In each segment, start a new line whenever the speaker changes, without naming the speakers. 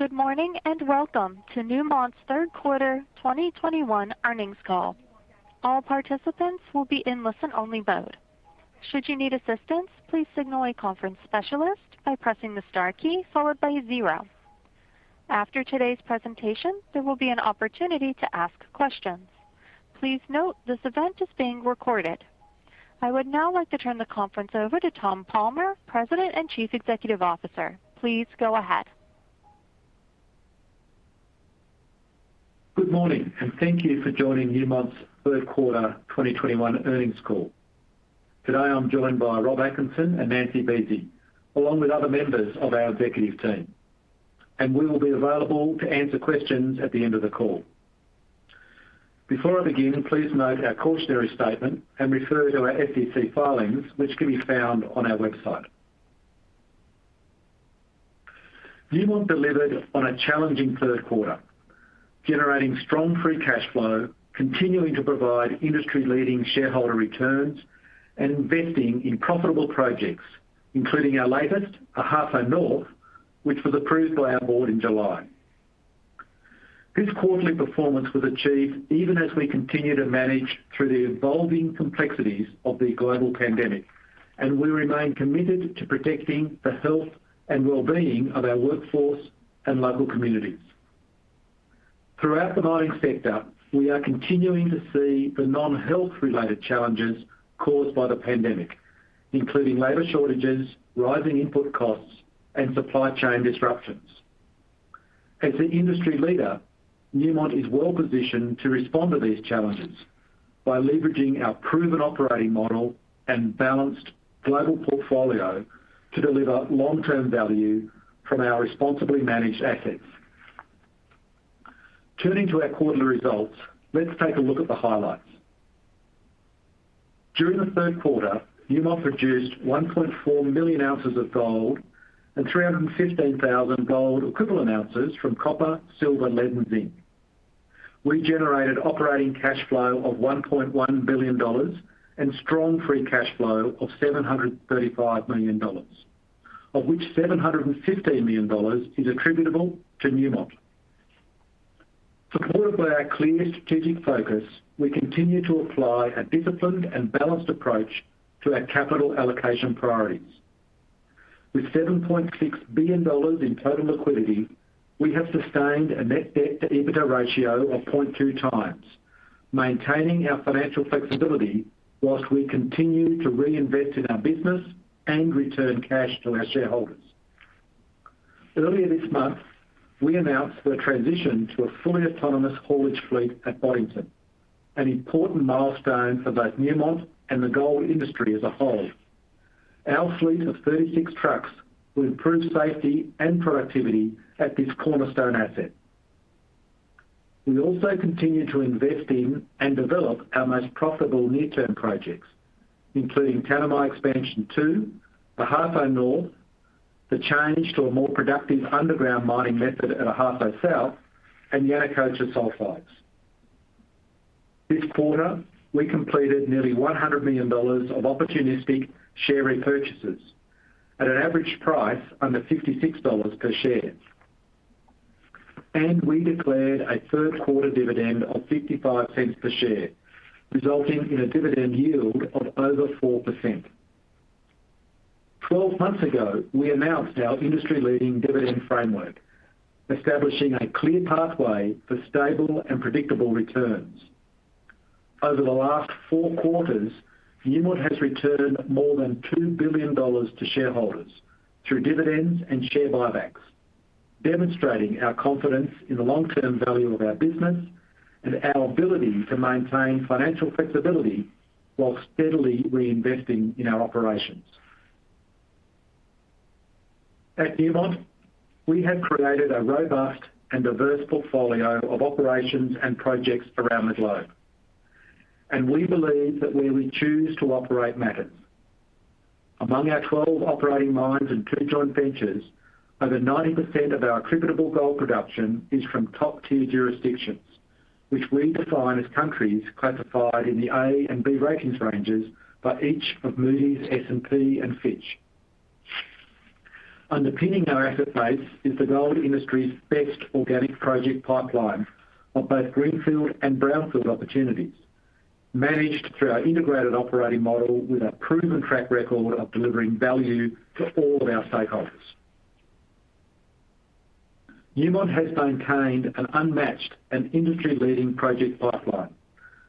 Good morning, and welcome to Newmont's Q3 2021 earnings call. All participants will be in listen-only mode. Should you need assistance, please signal a conference specialist by pressing the star key followed by zero. After today's presentation, there will be an opportunity to ask questions. Please note this event is being recorded. I would now like to turn the conference over to Tom Palmer, President and Chief Executive Officer. Please go ahead.
Good morning, and thank you for joining Newmont's Q3 2021 earnings call. Today, I'm joined by Rob Atkinson and Nancy Buese, along with other members of our executive team, and we will be available to answer questions at the end of the call. Before I begin, please note our cautionary statement and refer to our SEC filings, which can be found on our website. Newmont delivered on a challenging Q3, generating strong free cash flow, continuing to provide industry-leading shareholder returns, and investing in profitable projects, including our latest, Ahafo North, which was approved by our board in July. This quarterly performance was achieved even as we continue to manage through the evolving complexities of the global pandemic, and we remain committed to protecting the health and well-being of our workforce and local communities. Throughout the mining sector, we are continuing to see the non-health-related challenges caused by the pandemic, including labor shortages, rising input costs, and supply chain disruptions. As an industry leader, Newmont is well-positioned to respond to these challenges by leveraging our proven operating model and balanced global portfolio to deliver long-term value from our responsibly managed assets. Turning to our quarterly results, let's take a look at the highlights. During the Q3, Newmont produced 1.4 million ounces of gold and 315,000 gold equivalent ounces from copper, silver, lead, and zinc. We generated operating cash flow of $1.1 billion and strong free cash flow of $735 million, of which $750 million is attributable to Newmont. Supported by our clear strategic focus, we continue to apply a disciplined and balanced approach to our capital allocation priorities. With $7.6 billion in total liquidity, we have sustained a net debt-to-EBITDA ratio of 0.2x, maintaining our financial flexibility while we continue to reinvest in our business and return cash to our shareholders. Earlier this month, we announced the transition to a fully autonomous haulage fleet at Boddington, an important milestone for both Newmont and the gold industry as a whole. Our fleet of 36 trucks will improve safety and productivity at this cornerstone asset. We also continue to invest in and develop our most profitable near-term projects, including Tanami Expansion 2, Ahafo North, the change to a more productive underground mining method at Ahafo South, and Yanacocha Sulfides. This quarter, we completed nearly $100 million of opportunistic share repurchases at an average price under $56 per share. We declared a Q3 dividend of $0.55 per share, resulting in a dividend yield of over 4%. 12 months ago, we announced our industry-leading dividend framework, establishing a clear pathway for stable and predictable returns. Over the last four quarters, Newmont has returned more than $2 billion to shareholders through dividends and share buybacks, demonstrating our confidence in the long-term value of our business and our ability to maintain financial flexibility while steadily reinvesting in our operations. At Newmont, we have created a robust and diverse portfolio of operations and projects around the globe, and we believe that where we choose to operate matters. Among our 12 operating mines and two joint ventures, over 90% of our attributable gold production is from top-tier jurisdictions, which we define as countries classified in the A and B ratings ranges by each of Moody's, S&P, and Fitch. Underpinning our asset base is the gold industry's best organic project pipeline of both greenfield and brownfield opportunities, managed through our integrated operating model with a proven track record of delivering value to all of our stakeholders. Newmont has maintained an unmatched and industry-leading project pipeline,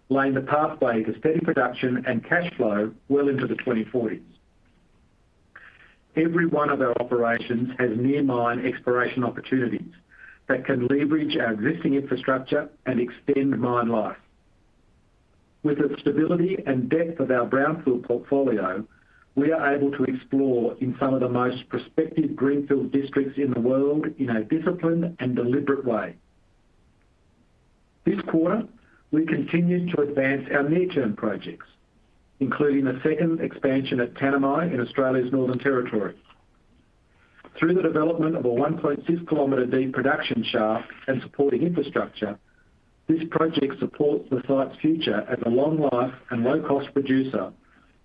laying the pathway to steady production and cash flow well into the 2040s. Every one of our operations has near mine exploration opportunities that can leverage our existing infrastructure and extend mine life. With the stability and depth of our brownfield portfolio, we are able to explore in some of the most prospective greenfield districts in the world in a disciplined and deliberate way. This quarter, we continued to advance our near-term projects, including the second expansion at Tanami in Australia's Northern Territory. Through the development of a 1.6 km deep production shaft and supporting infrastructure. This project supports the site's future as a long-life and low-cost producer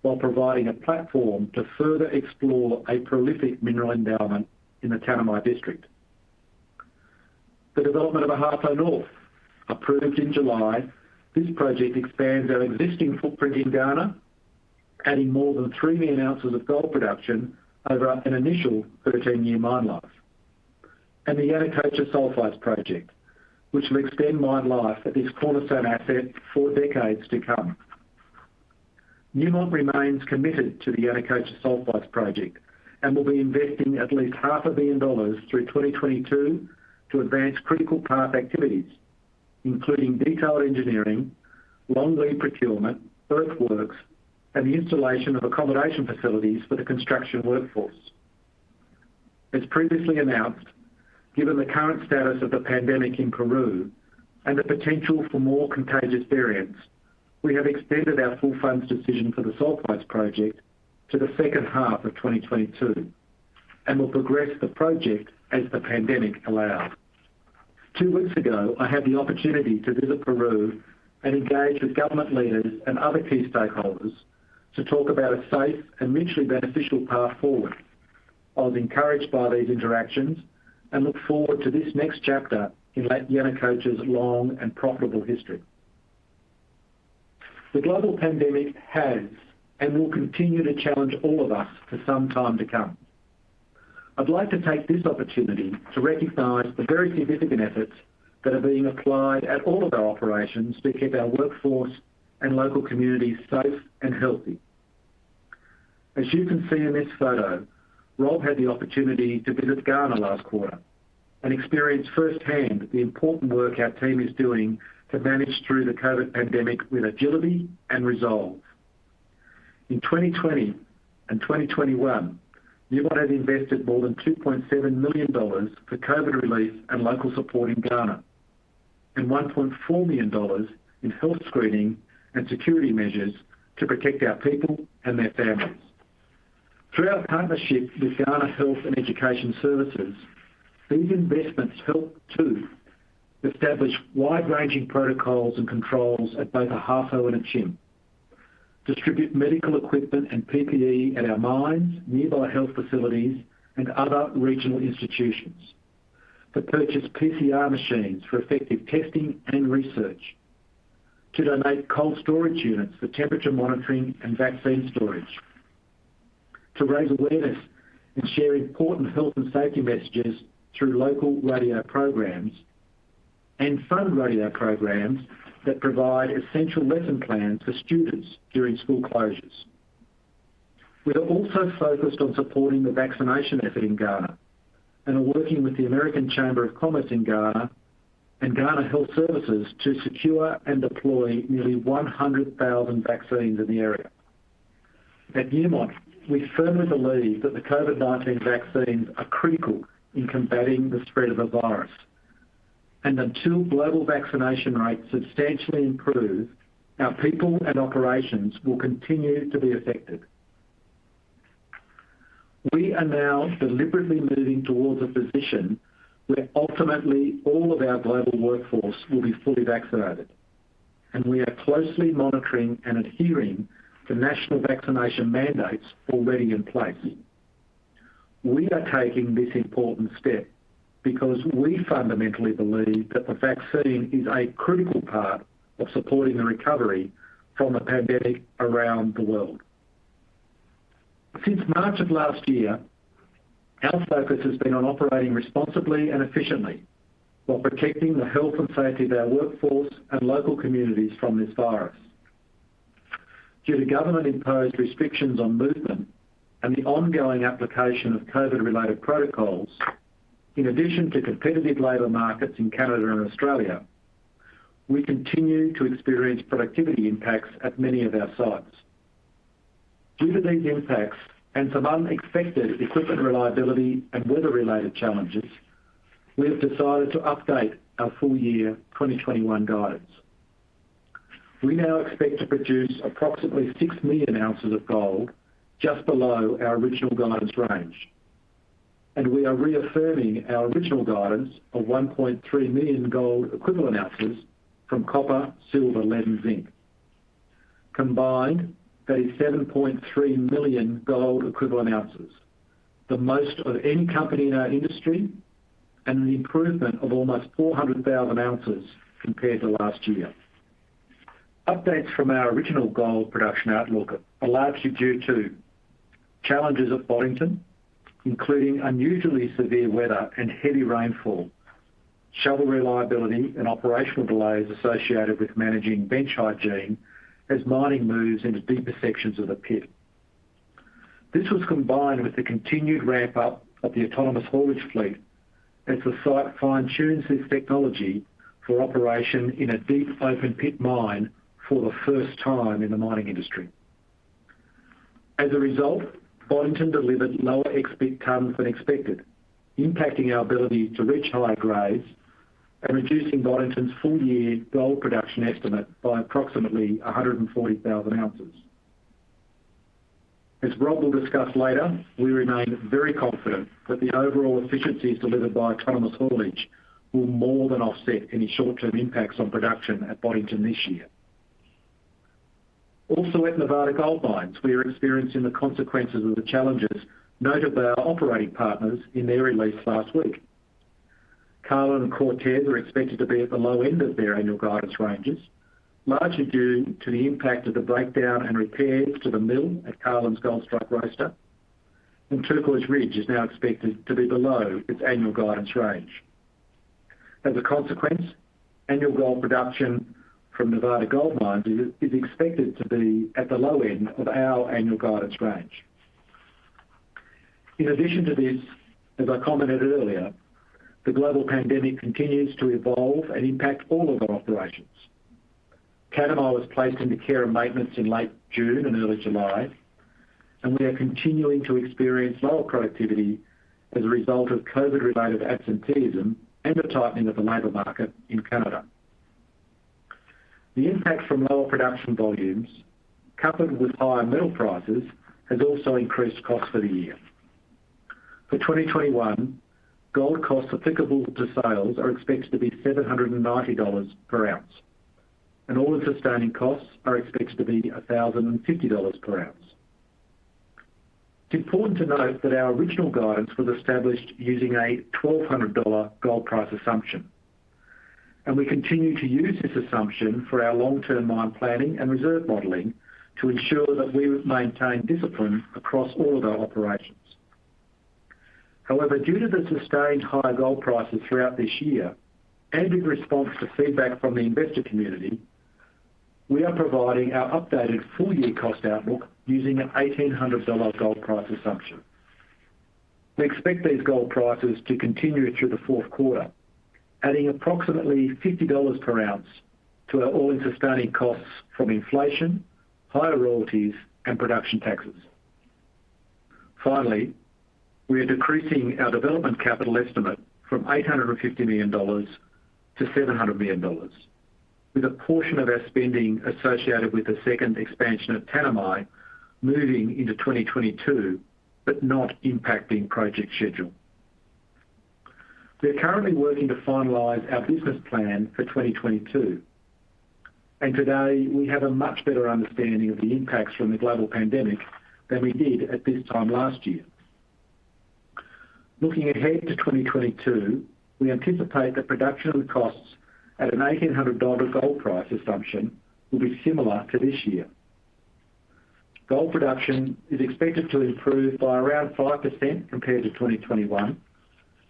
while providing a platform to further explore a prolific mineral endowment in the Tanami district. The development of Ahafo North, approved in July, expands our existing footprint in Ghana, adding more than 3 million ounces of gold production over an initial 13-year mine life. The Yanacocha Sulfides Project will extend mine life at this cornerstone asset for decades to come. Newmont remains committed to the Yanacocha Sulfides Project, and will be investing at least half a billion dollars through 2022 to advance critical path activities, including detailed engineering, long lead procurement, earthworks, and the installation of accommodation facilities for the construction workforce. As previously announced, given the current status of the pandemic in Peru and the potential for more contagious variants, we have extended our full funds decision for the Sulfides Project to the second half of 2022, and will progress the project as the pandemic allows. Two weeks ago, I had the opportunity to visit Peru and engage with government leaders and other key stakeholders to talk about a safe and mutually beneficial path forward. I was encouraged by these interactions and look forward to this next chapter in La Yanacocha's long and profitable history. The global pandemic has, and will continue to challenge all of us for some time to come. I'd like to take this opportunity to recognize the very significant efforts that are being applied at all of our operations to keep our workforce and local communities safe and healthy. As you can see in this photo, Rob had the opportunity to visit Ghana last quarter and experience firsthand the important work our team is doing to manage through the COVID pandemic with agility and resolve. In 2020 and 2021, Newmont has invested more than $2.7 million for COVID relief and local support in Ghana. $1.4 million in health screening and security measures to protect our people and their families. Through our partnership with Ghana Health Service and Ghana Education Service, these investments help to establish wide-ranging protocols and controls at both Ahafo and Akyem. Distribute medical equipment and PPE at our mines, nearby health facilities, and other regional institutions. To purchase PCR machines for effective testing and research. To donate cold storage units for temperature monitoring and vaccine storage. To raise awareness and share important health and safety messages through local radio programs. Fund radio programs that provide essential lesson plans for students during school closures. We are also focused on supporting the vaccination effort in Ghana and are working with the American Chamber of Commerce in Ghana and Ghana Health Service to secure and deploy nearly 100,000 vaccines in the area. At Newmont, we firmly believe that the COVID-19 vaccines are critical in combating the spread of the virus. Until global vaccination rates substantially improve, our people and operations will continue to be affected. We are now deliberately moving towards a position where ultimately all of our global workforce will be fully vaccinated, and we are closely monitoring and adhering to national vaccination mandates already in place. We are taking this important step because we fundamentally believe that the vaccine is a critical part of supporting the recovery from the pandemic around the world. Since March of last year, our focus has been on operating responsibly and efficiently while protecting the health and safety of our workforce and local communities from this virus. Due to government-imposed restrictions on movement and the ongoing application of COVID-related protocols, in addition to competitive labor markets in Canada and Australia, we continue to experience productivity impacts at many of our sites. Due to these impacts and some unexpected equipment reliability and weather-related challenges, we have decided to update our full year 2021 guidance. We now expect to produce approximately 6 million ounces of gold just below our original guidance range, and we are reaffirming our original guidance of 1.3 million gold equivalent ounces from copper, silver, lead, and zinc. Combined, that is 7.3 million gold equivalent ounces, the most of any company in our industry, and an improvement of almost 400,000 ounces compared to last year. Updates from our original gold production outlook are largely due to challenges at Boddington, including unusually severe weather and heavy rainfall, shovel reliability, and operational delays associated with managing bench hygiene as mining moves into deeper sections of the pit. This was combined with the continued ramp up of the autonomous haulage fleet as the site fine-tunes this technology for operation in a deep open pit mine for the first time in the mining industry. As a result, Boddington delivered lower ex-pit tons than expected, impacting our ability to reach higher grades and reducing Boddington's full-year gold production estimate by approximately 140,000 ounces. Rob will discuss later. We remain very confident that the overall efficiencies delivered by autonomous haulage will more than offset any short-term impacts on production at Boddington this year. Also, at Nevada Gold Mines, we are experiencing the consequences of the challenges noted by our operating partners in their release last week. Carlin and Cortez are expected to be at the low end of their annual guidance ranges, largely due to the impact of the breakdown and repairs to the mill at Carlin's Goldstrike roaster, and Turquoise Ridge is now expected to be below its annual guidance range. As a consequence, annual gold production from Nevada Gold Mines is expected to be at the low end of our annual guidance range. In addition to this, as I commented earlier, the global pandemic continues to evolve and impact all of our operations. Tanami was placed into care and maintenance in late June and early July, and we are continuing to experience lower productivity as a result of COVID-related absenteeism and the tightening of the labor market in Canada. The impact from lower production volumes, coupled with higher metal prices, has also increased costs for the year. For 2021, gold costs applicable to sales are expected to be $790 per ounce, and all-in sustaining costs are expected to be $1,050 per ounce. It's important to note that our original guidance was established using a $1,200 gold price assumption, and we continue to use this assumption for our long-term mine planning and reserve modeling to ensure that we maintain discipline across all of our operations. However, due to the sustained high gold prices throughout this year and in response to feedback from the investor community, we are providing our updated full-year cost outlook using an $1,800 gold price assumption. We expect these gold prices to continue through the Q4, adding approximately $50 per ounce to our all-in sustaining costs from inflation, higher royalties, and production taxes. Finally, we are decreasing our development capital estimate from $850 million to $700 million, with a portion of our spending associated with the second expansion of Tanami moving into 2022, but not impacting project schedule. We're currently working to finalize our business plan for 2022, and today we have a much better understanding of the impacts from the global pandemic than we did at this time last year. Looking ahead to 2022, we anticipate that production costs at a $1,800 gold price assumption will be similar to this year. Gold production is expected to improve by around 5% compared to 2021,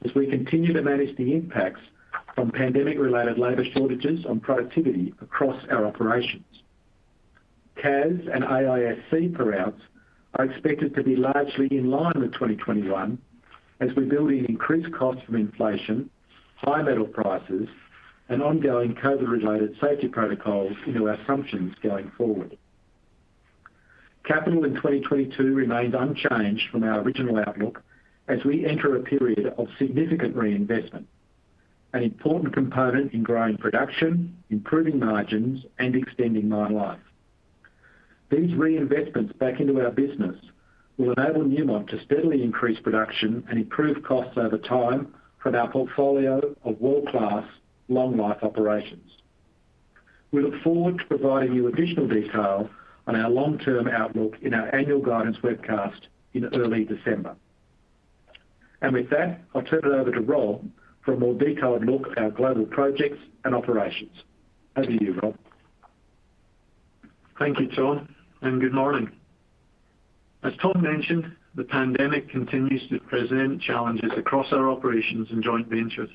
as we continue to manage the impacts from pandemic-related labor shortages on productivity across our operations. CAS and AISC per ounce are expected to be largely in line with 2021, as we build in increased costs from inflation, high metal prices, and ongoing COVID-related safety protocols into our assumptions going forward. Capital in 2022 remains unchanged from our original outlook as we enter a period of significant reinvestment, an important component in growing production, improving margins, and extending mine life. These reinvestments back into our business will enable Newmont to steadily increase production and improve costs over time from our portfolio of world-class long-life operations. We look forward to providing you additional detail on our long-term outlook in our annual guidance webcast in early December. With that, I'll turn it over to Rob for a more detailed look at our global projects and operations. Over to you, Rob.
Thank you, Tom, and good morning. As Tom mentioned, the pandemic continues to present challenges across our operations and joint ventures,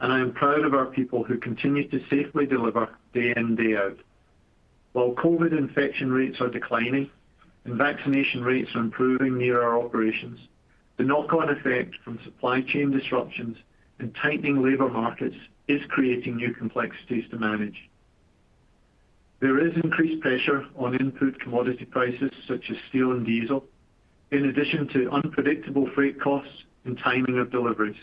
and I am proud of our people who continue to safely deliver day in, day out. While COVID infection rates are declining and vaccination rates are improving near our operations, the knock-on effect from supply chain disruptions and tightening labor markets is creating new complexities to manage. There is increased pressure on input commodity prices such as steel and diesel, in addition to unpredictable freight costs and timing of deliveries.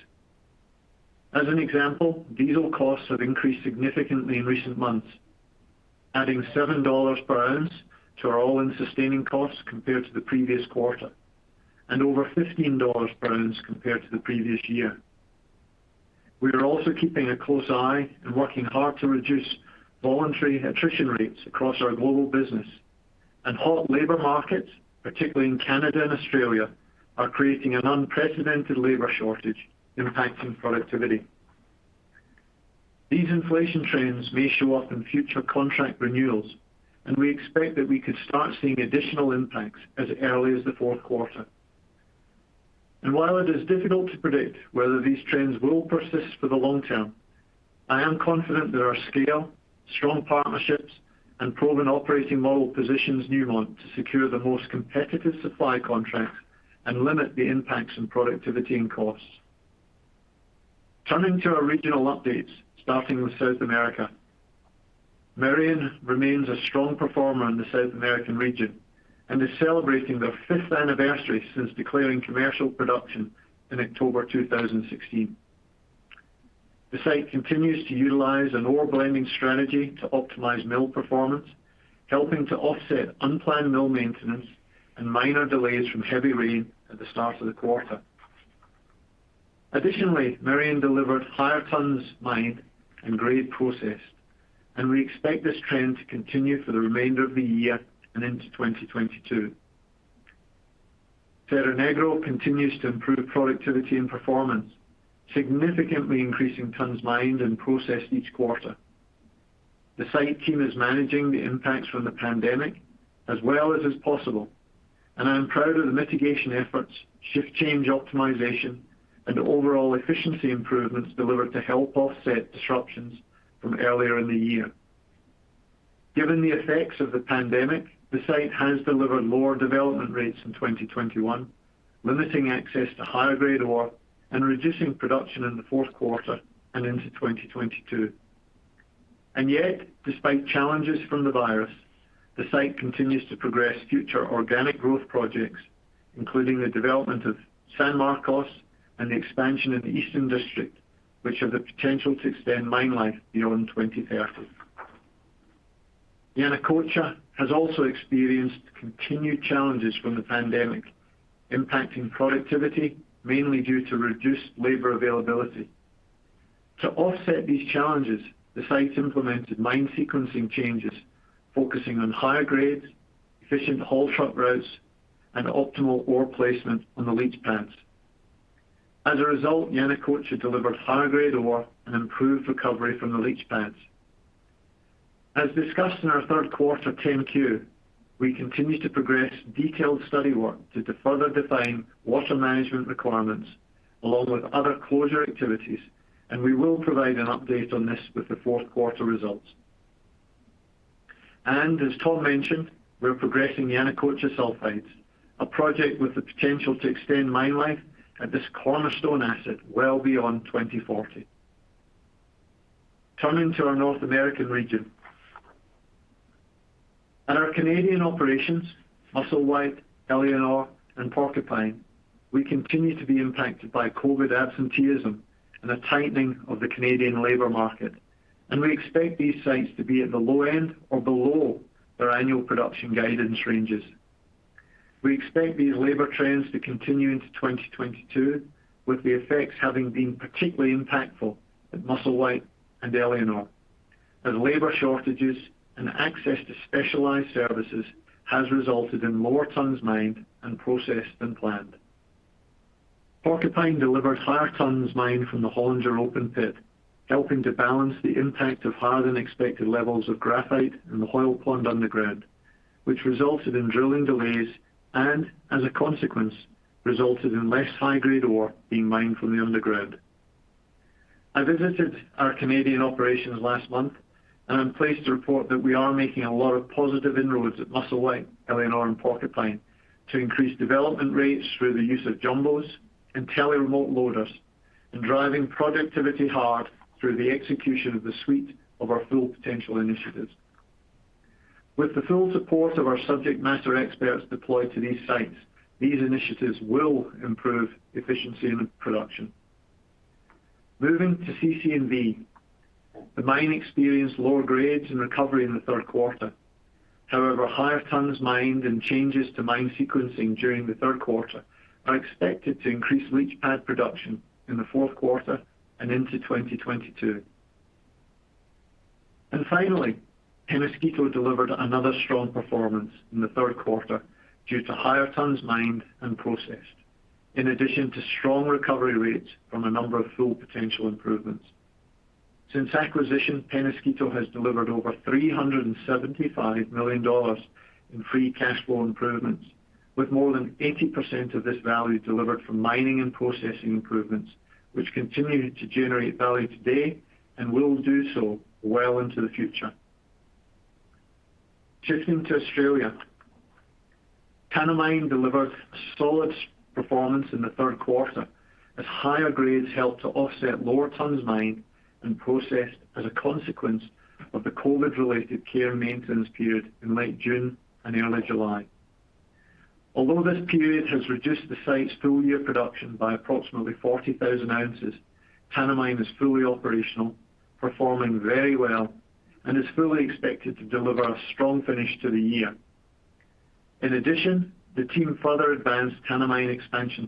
As an example, diesel costs have increased significantly in recent months, adding $7 per ounce to our all-in sustaining costs compared to the previous quarter, and over $15 per ounce compared to the previous year. We are also keeping a close eye and working hard to reduce voluntary attrition rates across our global business. Hot labor markets, particularly in Canada and Australia, are creating an unprecedented labor shortage, impacting productivity. These inflation trends may show up in future contract renewals, and we expect that we could start seeing additional impacts as early as the Q4. While it is difficult to predict whether these trends will persist for the long term, I am confident that our scale, strong partnerships, and proven operating model positions Newmont to secure the most competitive supply contracts and limit the impacts in productivity and costs. Turning to our regional updates, starting with South America. Merian remains a strong performer in the South American region and is celebrating their fifth anniversary since declaring commercial production in October 2016. The site continues to utilize an ore blending strategy to optimize mill performance, helping to offset unplanned mill maintenance and minor delays from heavy rain at the start of the quarter. Additionally, Merian delivered higher tons mined and grade processed, and we expect this trend to continue for the remainder of the year and into 2022. Cerro Negro continues to improve productivity and performance, significantly increasing tons mined and processed each quarter. The site team is managing the impacts from the pandemic as well as is possible, and I am proud of the mitigation efforts, shift change optimization, and overall efficiency improvements delivered to help offset disruptions from earlier in the year. Given the effects of the pandemic, the site has delivered lower development rates in 2021, limiting access to higher-grade ore and reducing production in the Q4 and into 2022. Yet, despite challenges from the virus, the site continues to progress future organic growth projects, including the development of San Marcos and the expansion of the Eastern District, which have the potential to extend mine life beyond 2030. Yanacocha has also experienced continued challenges from the pandemic, impacting productivity, mainly due to reduced labor availability. To offset these challenges, the site implemented mine sequencing changes focusing on higher grades, efficient haul truck routes, and optimal ore placement on the leach pads. As a result, Yanacocha delivered higher-grade ore and improved recovery from the leach pads. As discussed in our Q3 10-Q, we continue to progress detailed study work to further define water management requirements along with other closure activities, and we will provide an update on this with the Q4 results. As Tom mentioned, we are progressing Yanacocha sulfides, a project with the potential to extend mine life at this cornerstone asset well beyond 2040. Turning to our North American region. At our Canadian operations, Musselwhite, Éléonore, and Porcupine, we continue to be impacted by COVID absenteeism and the tightening of the Canadian labor market, and we expect these sites to be at the low end or below their annual production guidance ranges. We expect these labor trends to continue into 2022, with the effects having been particularly impactful at Musselwhite and Éléonore, as labor shortages and access to specialized services has resulted in lower tons mined and processed than planned. Porcupine delivered higher tons mined from the Hollinger open pit, helping to balance the impact of higher-than-expected levels of graphite in the Hoyle Pond underground, which resulted in drilling delays and, as a consequence, resulted in less high-grade ore being mined from the underground. I visited our Canadian operations last month, and I'm pleased to report that we are making a lot of positive inroads at Musselwhite, Éléonore, and Porcupine to increase development rates through the use of jumbos and tele-remote loaders and driving productivity hard through the execution of the suite of our Full Potential initiatives. With the full support of our subject matter experts deployed to these sites, these initiatives will improve efficiency and production. Moving to CC&V, the mine experienced lower grades and recovery in the Q3. However, higher tons mined and changes to mine sequencing during the Q3 are expected to increase leach pad production in the Q4 and into 2022. Finally, Peñasquito delivered another strong performance in the Q3 due to higher tons mined and processed, in addition to strong recovery rates from a number of Full Potential improvements. Since acquisition, Peñasquito has delivered over $375 million in free cash flow improvements, with more than 80% of this value delivered from mining and processing improvements, which continue to generate value today and will do so well into the future. Shifting to Australia. Tanami delivered a solid performance in the Q3 as higher grades helped to offset lower tons mined and processed as a consequence of the COVID-related care maintenance period in late June and early July. Although this period has reduced the site's full-year production by approximately 40,000 ounces, Tanami is fully operational, performing very well, and is fully expected to deliver a strong finish to the year. In addition, the team further advanced Tanami Expansion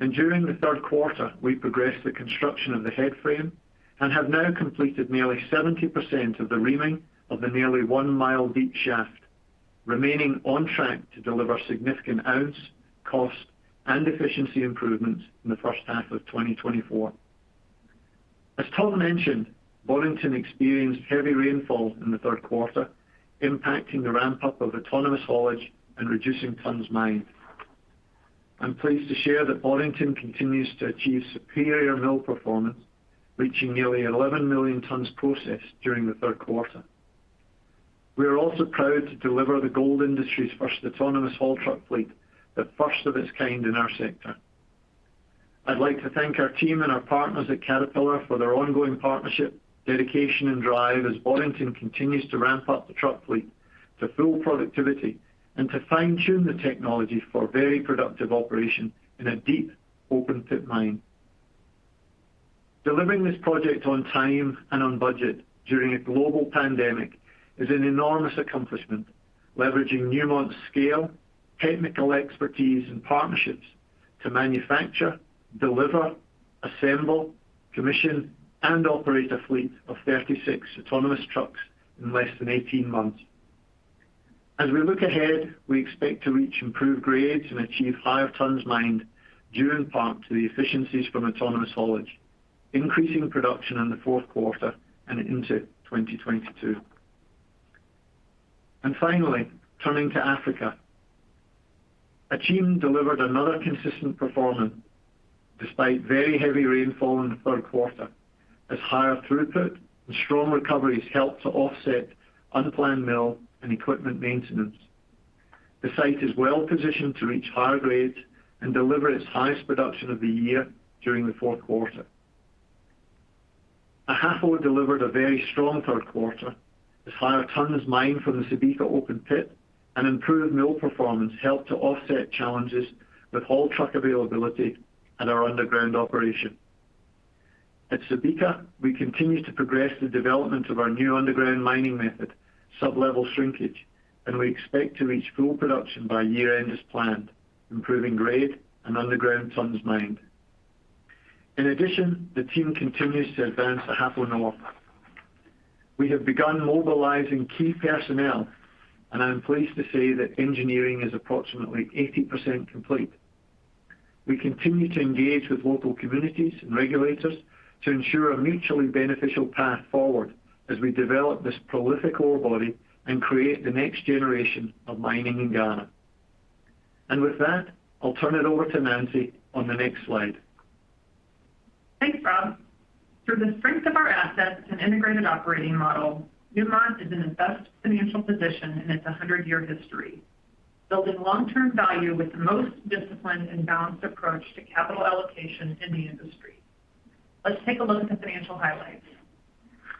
Two. During the Q3, we progressed the construction of the headframe and have now completed nearly 70% of the reaming of the nearly one-mile-deep shaft, remaining on track to deliver significant ounce, cost, and efficiency improvements in the first half of 2024. As Tom mentioned, Boddington experienced heavy rainfall in the Q3, impacting the ramp-up of autonomous haulage and reducing tons mined. I'm pleased to share that Boddington continues to achieve superior mill performance, reaching nearly 11 million tonnes processed during the Q3. We are also proud to deliver the gold industry's first autonomous haul truck fleet, the first of its kind in our sector. I'd like to thank our team and our partners at Caterpillar for their ongoing partnership, dedication, and drive as Boddington continues to ramp up the truck fleet to full productivity and to fine-tune the technology for very productive operation in a deep open pit mine. Delivering this project on time and on budget during a global pandemic is an enormous accomplishment, leveraging Newmont's scale, technical expertise and partnerships to manufacture, deliver, assemble, commission and operate a fleet of 36 autonomous trucks in less than 18 months. As we look ahead, we expect to reach improved grades and achieve higher tons mined, due in part to the efficiencies from autonomous haulage, increasing production in the Q4 and into 2022. Finally, turning to Africa. Akyem delivered another consistent performance despite very heavy rainfall in the Q3, as higher throughput and strong recoveries helped to offset unplanned mill and equipment maintenance. The site is well positioned to reach higher grades and deliver its highest production of the year during the Q4. Ahafo delivered a very strong Q3 as higher tons mined from the Subika open pit and improved mill performance helped to offset challenges with haul truck availability at our underground operation. At Subika, we continue to progress the development of our new underground mining method, sub-level shrinkage, and we expect to reach full production by year-end as planned, improving grade and underground tonnes mined. In addition, the team continues to advance Ahafo North. We have begun mobilizing key personnel, and I am pleased to say that engineering is approximately 80% complete. We continue to engage with local communities and regulators to ensure a mutually beneficial path forward as we develop this prolific ore body and create the next generation of mining in Ghana. With that, I'll turn it over to Nancy on the next slide.
Thanks, Rob. Through the strength of our assets and integrated operating model, Newmont is in its best financial position in its 100-year history, building long-term value with the most disciplined and balanced approach to capital allocation in the industry. Let's take a look at the financial highlights.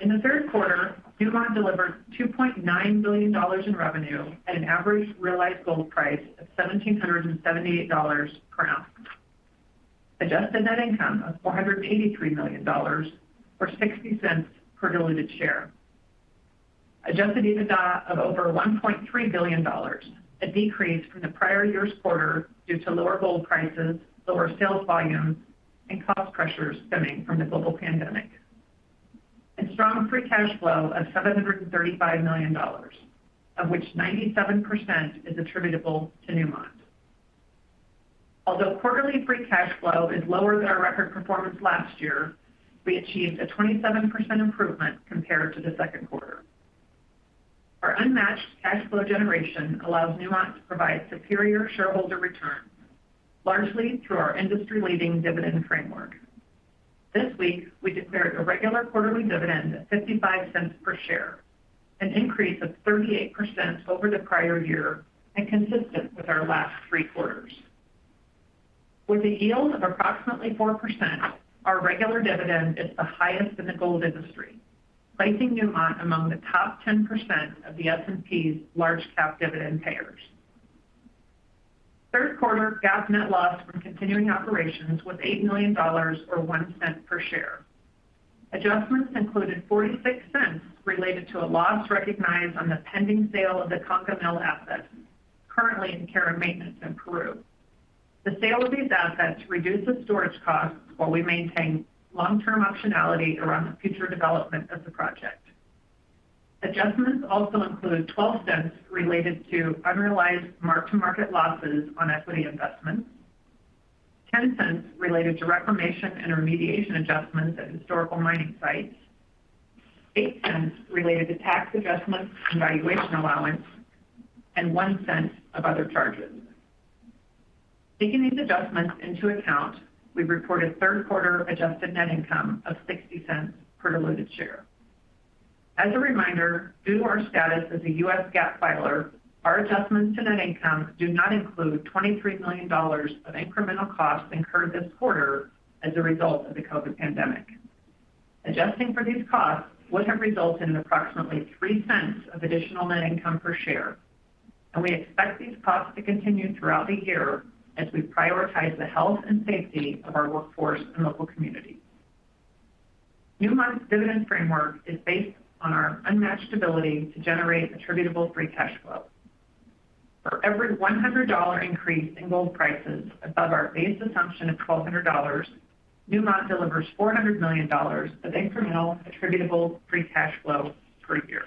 In the Q3, Newmont delivered $2.9 billion in revenue at an average realized gold price of $1,778 per ounce. Adjusted net income of $483 million, or $0.60 per diluted share. Adjusted EBITDA of over $1.3 billion, a decrease from the prior year's quarter due to lower gold prices, lower sales volumes, and cost pressures stemming from the global pandemic. Strong free cash flow of $735 million, of which 97% is attributable to Newmont. Although quarterly free cash flow is lower than our record performance last year, we achieved a 27% improvement compared to the Q2. Our unmatched cash flow generation allows Newmont to provide superior shareholder returns, largely through our industry-leading dividend framework. This week, we declared a regular quarterly dividend of $0.55 per share, an increase of 38% over the prior year and consistent with our last three quarters. With a yield of approximately 4%, our regular dividend is the highest in the gold industry, placing Newmont among the top 10% of the S&P's large cap dividend payers. Q3 GAAP net loss from continuing operations was $8 million or $0.01 per share. Adjustments included $0.46 related to a loss recognized on the pending sale of the Conga Mill asset, currently in care and maintenance in Peru. The sale of these assets reduces storage costs while we maintain long-term optionality around the future development of the project. Adjustments also include $0.12 related to unrealized mark-to-market losses on equity investments, $0.10 related to reclamation and remediation adjustments at historical mining sites, $0.08 related to tax adjustments and valuation allowance, and $0.01 of other charges. Taking these adjustments into account, we reported Q3 adjusted net income of $0.60 per diluted share. As a reminder, due to our status as a US GAAP filer, our adjustments to net income do not include $23 million of incremental costs incurred this quarter as a result of the COVID pandemic. Adjusting for these costs would have resulted in approximately $0.03 of additional net income per share, and we expect these costs to continue throughout the year as we prioritize the health and safety of our workforce and local communities. Newmont's dividend framework is based on our unmatched ability to generate attributable free cash flow. For every $100 increase in gold prices above our base assumption of $1,200, Newmont delivers $400 million of incremental attributable free cash flow per year.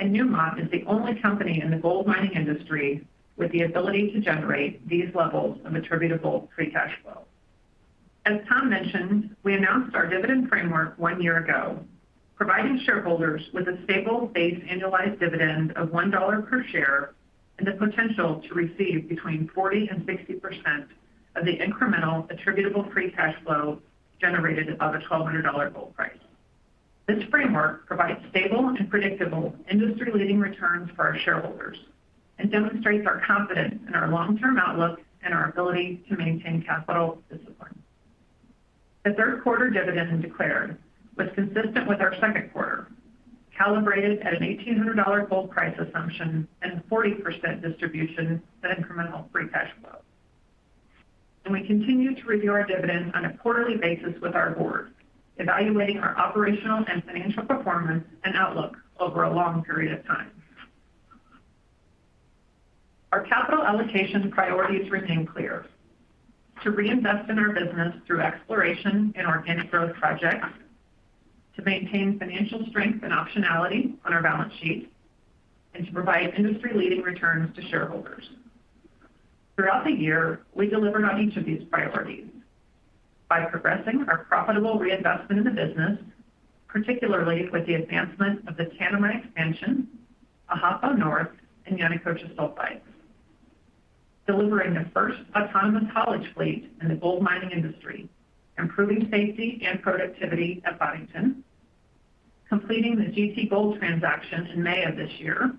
Newmont is the only company in the gold mining industry with the ability to generate these levels of attributable free cash flow. As Tom mentioned, we announced our dividend framework one year ago, providing shareholders with a stable base annualized dividend of $1 per share and the potential to receive between 40% and 60% of the incremental attributable free cash flow generated above a $1,200 gold price. This framework provides stable and predictable industry-leading returns for our shareholders and demonstrates our confidence in our long-term outlook and our ability to maintain capital discipline. The Q3 dividend declared was consistent with our Q2, calibrated at an $1,800 gold price assumption and 40% distribution of incremental free cash flow. We continue to review our dividends on a quarterly basis with our board, evaluating our operational and financial performance and outlook over a long period of time. Our capital allocation priorities remain clear. To reinvest in our business through exploration in organic growth projects, to maintain financial strength and optionality on our balance sheet, and to provide industry-leading returns to shareholders. Throughout the year, we delivered on each of these priorities by progressing our profitable reinvestment in the business, particularly with the advancement of the Tanami Expansion, Ahafo North, and Yanacocha Sulfides. Delivering the first autonomous haulage fleet in the gold mining industry, improving safety and productivity at Boddington, completing the GT Gold transaction in May of this year,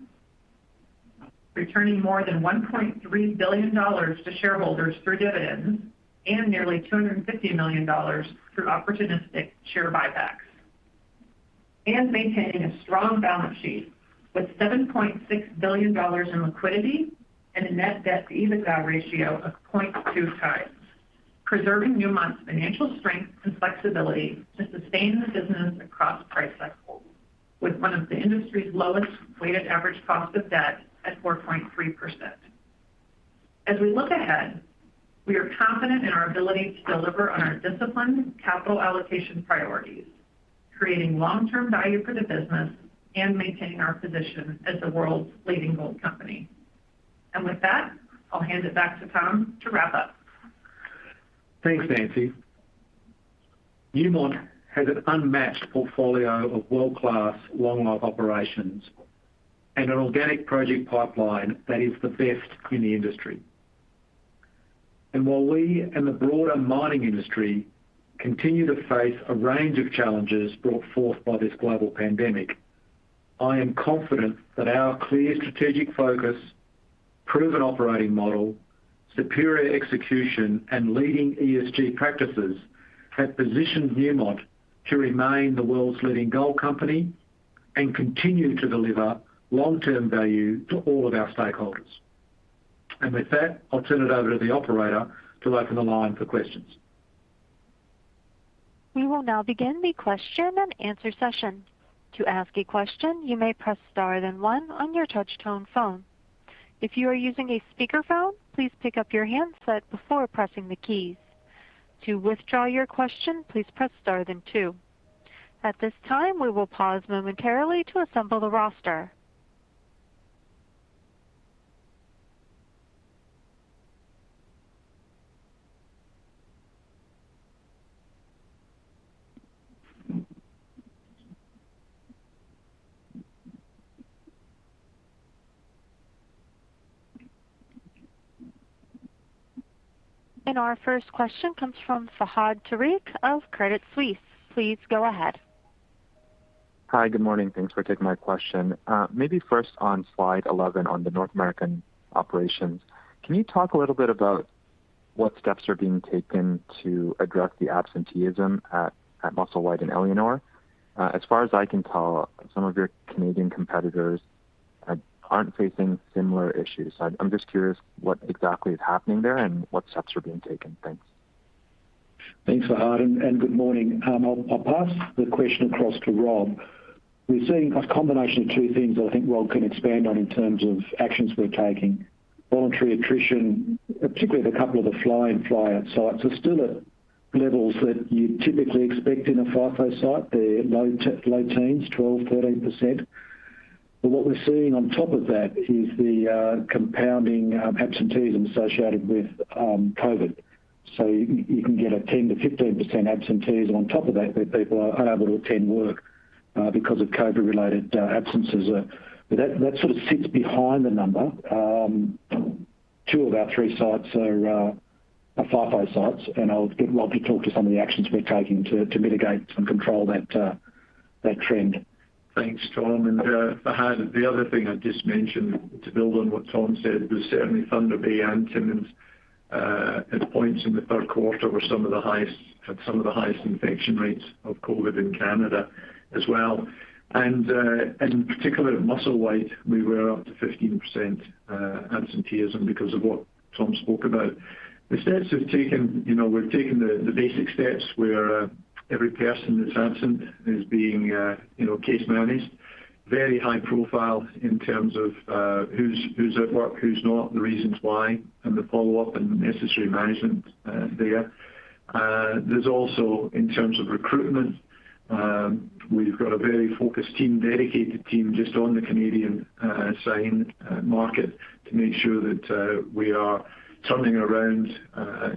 returning more than $1.3 billion to shareholders through dividends and nearly $250 million through opportunistic share buybacks, and maintaining a strong balance sheet with $7.6 billion in liquidity and a net debt-to-EBITDA ratio of 0.2x, preserving Newmont's financial strength and flexibility to sustain the business across price cycles, with one of the industry's lowest weighted average cost of debt at 4.3%. As we look ahead, we are confident in our ability to deliver on our disciplined capital allocation priorities, creating long-term value for the business and maintaining our position as the world's leading gold company. With that, I'll hand it back to Tom to wrap up.
Thanks, Nancy. Newmont has an unmatched portfolio of world-class long-life operations and an organic project pipeline that is the best in the industry. While we and the broader mining industry continue to face a range of challenges brought forth by this global pandemic, I am confident that our clear strategic focus, proven operating model, superior execution, and leading ESG practices have positioned Newmont to remain the world's leading gold company and continue to deliver long-term value to all of our stakeholders. With that, I'll turn it over to the operator to open the line for questions.
We will now begin the question and answer session. To ask a question, you may press star then one on your touch tone phone. If you are using a speakerphone, please pick up your handset before pressing the keys. To withdraw your question, please press star then two. At this time, we will pause momentarily to assemble the roster. Our first question comes from Fahad Tariq of Credit Suisse. Please go ahead.
Hi. Good morning. Thanks for taking my question. Maybe first on slide 11 on the North American operations, can you talk a little bit about what steps are being taken to address the absenteeism at Musselwhite and Éléonore? As far as I can tell, some of your Canadian competitors aren't facing similar issues. I'm just curious what exactly is happening there and what steps are being taken. Thanks.
Thanks, Fahad, and good morning. I'll pass the question across to Rob. We're seeing a combination of two things that I think Rob can expand on in terms of actions we're taking. Voluntary attrition, particularly with a couple of the fly-in fly-out sites, are still at levels that you'd typically expect in a FIFO site. They're low teens, 12%, 13%. What we're seeing on top of that is the compounding absenteeism associated with COVID. You can get a 10% to 15% absenteeism on top of that, where people are unable to attend work because of COVID-related absences. That sort of sits behind the number. Two of our three sites are FIFO sites, and I'll get Rob to talk to some of the actions we're taking to mitigate and control that trend.
Thanks, Tom. Fahad, the other thing I'd just mention to build on what Tom said was certainly Thunder Bay and Timmins at points in the Q3 had some of the highest infection rates of COVID in Canada as well. Particularly at Musselwhite, we were up to 15% absenteeism because of what Tom spoke about. The steps we've taken, you know, we've taken the basic steps where every person that's absent is being, you know, case managed. Very high profile in terms of who's at work, who's not, the reasons why, and the follow-up and the necessary management there. There's also, in terms of recruitment, we've got a very focused team, dedicated team just on the Canadian mining market to make sure that we are turning around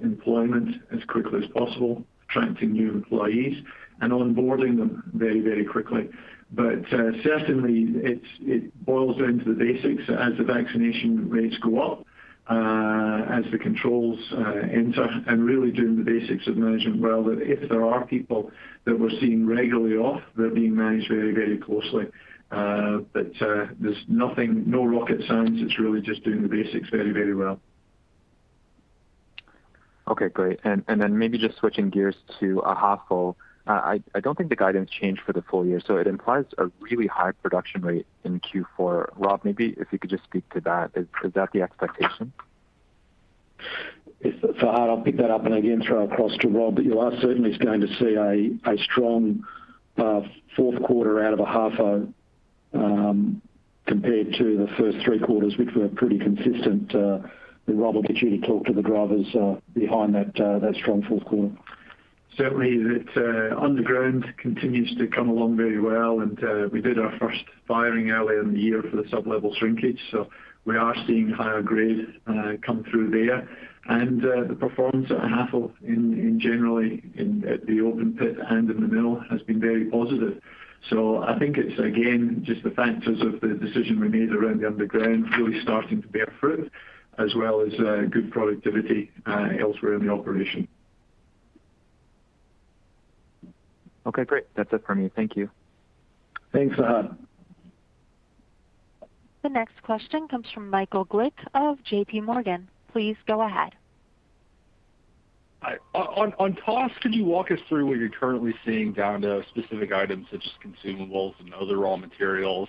employment as quickly as possible, attracting new employees, and onboarding them very, very quickly. Certainly it boils down to the basics as the vaccination rates go up, as the controls end, and really doing the basics of management well, that if there are people that we're seeing regularly off, they're being managed very, very closely. There's nothing, no rocket science. It's really just doing the basics very, very well.
Okay, great. Maybe just switching gears to Ahafo. I don't think the guidance changed for the full year, so it implies a really high production rate in Q4. Rob, maybe if you could just speak to that. Is that the expectation?
If for Fahad, I'll pick that up and again throw across to Rob. You are certainly going to see a strong Q4 out of Ahafo, compared to the first three quarters, which were pretty consistent. Rob, I'll get you to talk to the drivers behind that strong Q4.
Certainly that underground continues to come along very well, and we did our first firing earlier in the year for the sub-level shrinkage. We are seeing higher grades come through there. The performance at Ahafo in general in the open pit and in the mill has been very positive. I think it's again just the factors of the decision we made around the underground really starting to bear fruit as well as good productivity elsewhere in the operation.
Okay, great. That's it from me. Thank you.
Thanks, Fahad.
The next question comes from Michael Glick of JPMorgan. Please go ahead.
Hi. On costs, could you walk us through what you're currently seeing down to specific items such as consumables and other raw materials,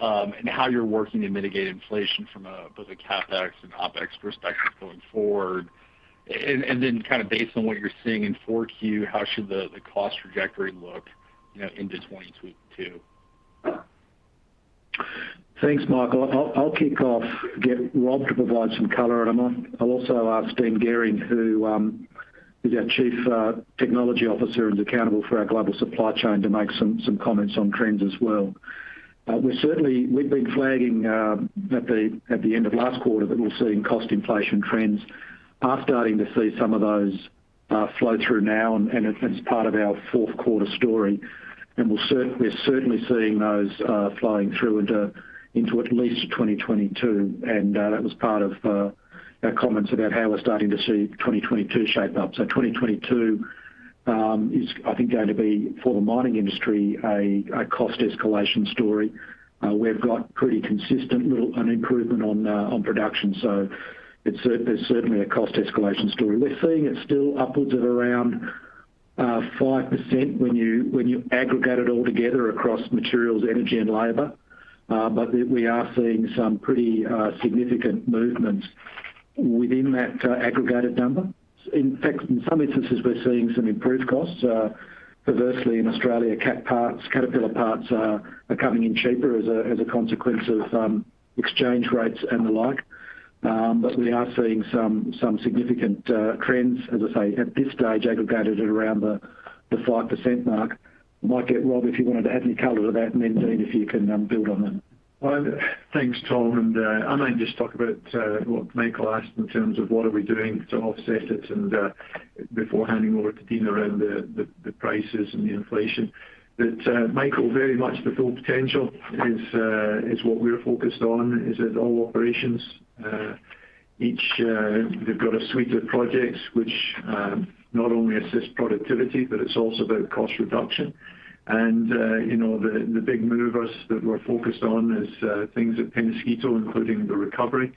and how you're working to mitigate inflation from both a CapEx and OpEx perspective going forward? Then kind of based on what you're seeing in Q4, how should the cost trajectory look, you know, into 2022?
Thanks, Michael. I'll kick off, get Rob to provide some color, and I'll also ask Dean Gehring, who is our Chief Technology Officer and accountable for our global supply chain, to make some comments on trends as well. We're certainly. We've been flagging at the end of last quarter that we're seeing cost inflation trends. We're starting to see some of those flow through now and it's part of our Q4 story. We're certainly seeing those flowing through into at least 2022. That was part of our comments about how we're starting to see 2022 shape up. 2022 is, I think, going to be, for the mining industry, a cost escalation story. We've got pretty consistent, little no improvement on production. There's certainly a cost escalation story. We're seeing it still upwards of around 5% when you aggregate it all together across materials, energy and labor. We are seeing some pretty significant movements within that aggregated number. In fact, in some instances, we're seeing some improved costs. Perversely in Australia, cat parts, Caterpillar parts are coming in cheaper as a consequence of exchange rates and the like. We are seeing some significant trends, as I say at this stage, aggregated at around the 5% mark. Might get Rob, if you wanted to add any color to that, and then Dean if you can build on that.
Well, thanks, Tom. I'm going to just talk about what Michael asked in terms of what are we doing to offset it before handing over to Dean around the prices and the inflation. Michael, very much the Full Potential is what we're focused on, that all operations each they've got a suite of projects which not only assists productivity, but it's also about cost reduction. You know, the big movers that we're focused on is things at Peñasquito, including the recovery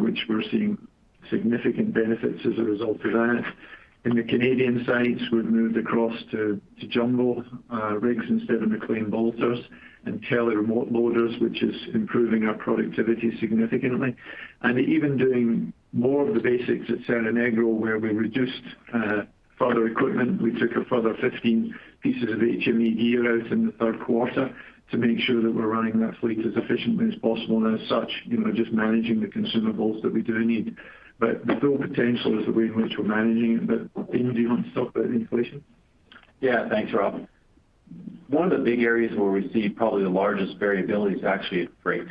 which we're seeing significant benefits as a result of that. In the Canadian sites, we've moved across to jumbo rigs instead of MacLean Bolters and tele-remote loaders, which is improving our productivity significantly. Even doing more of the basics at Cerro Negro, where we reduced further equipment. We took a further 15 pieces of HME out in the Q3 to make sure that we're running that fleet as efficiently as possible. As such, you know, just managing the consumables that we do need. The Full Potential is the way in which we're managing it. Dean, do you want to talk about inflation?
Thanks, Rob. One of the big areas where we see probably the largest variability is actually at freight.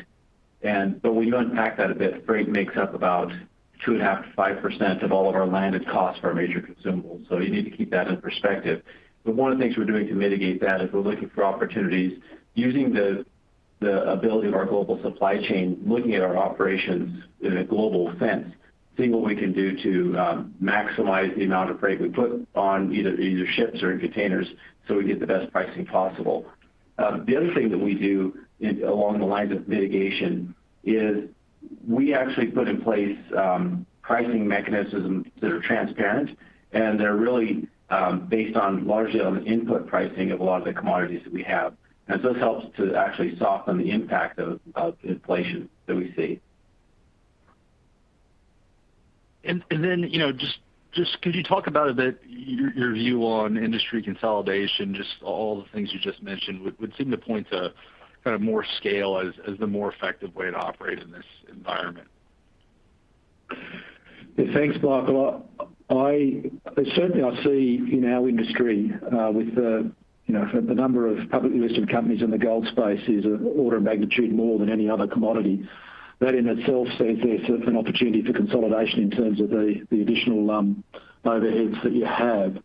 When you unpack that a bit, freight makes up about 2.5% to 5% of all of our landed costs for our major consumables. You need to keep that in perspective. One of the things we're doing to mitigate that is we're looking for opportunities using the ability of our global supply chain, looking at our operations in a global sense, seeing what we can do to maximize the amount of freight we put on either ships or in containers, so we get the best pricing possible. The other thing that we do along the lines of mitigation is we actually put in place pricing mechanisms that are transparent, and they're really based largely on the input pricing of a lot of the commodities that we have. This helps to actually soften the impact of inflation that we see.
Then, you know, just could you talk a bit about your view on industry consolidation, just all the things you just mentioned would seem to point to kind of more scale as the more effective way to operate in this environment.
Yeah. Thanks, Michael. Certainly I see in our industry with you know the number of publicly listed companies in the gold space is order of magnitude more than any other commodity. That in itself says there's certainly an opportunity for consolidation in terms of the additional overheads that you have.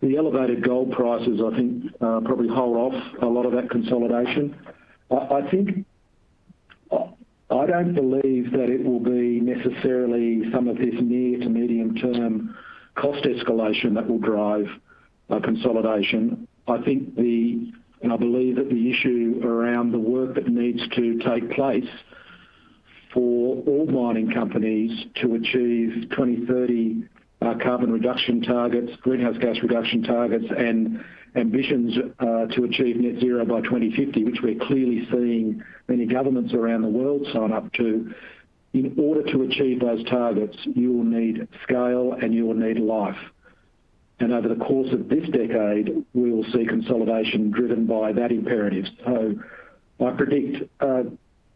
The elevated gold prices I think probably hold off a lot of that consolidation. I think I don't believe that it will be necessarily some of this near to medium term cost escalation that will drive consolidation. I believe that the issue around the work that needs to take place for all mining companies to achieve 2030 carbon reduction targets, greenhouse gas reduction targets, and ambitions to achieve net zero by 2050, which we're clearly seeing many governments around the world sign up to. In order to achieve those targets, you will need scale and you will need life. Over the course of this decade, we will see consolidation driven by that imperative. I predict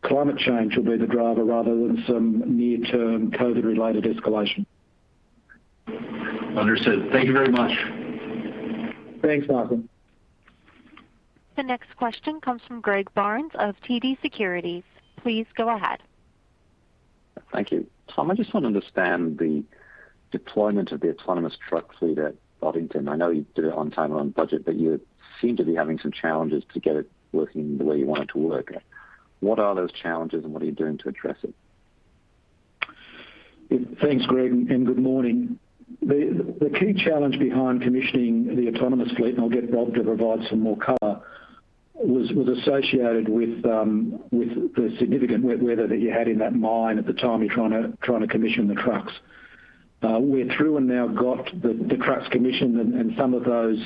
climate change will be the driver rather than some near-term COVID-related escalation.
Understood. Thank you very much.
Thanks, Michael.
The next question comes from Greg Barnes of TD Securities. Please go ahead.
Thank you. Tom, I just want to understand the deployment of the autonomous truck fleet at Boddington. I know you did it on time, on budget, but you seem to be having some challenges to get it working the way you want it to work. What are those challenges and what are you doing to address it?
Thanks, Greg, and good morning. The key challenge behind commissioning the autonomous fleet, and I'll get Rob to provide some more color, was associated with the significant wet weather that you had in that mine at the time you're trying to commission the trucks. We're through and now got the trucks commissioned and some of those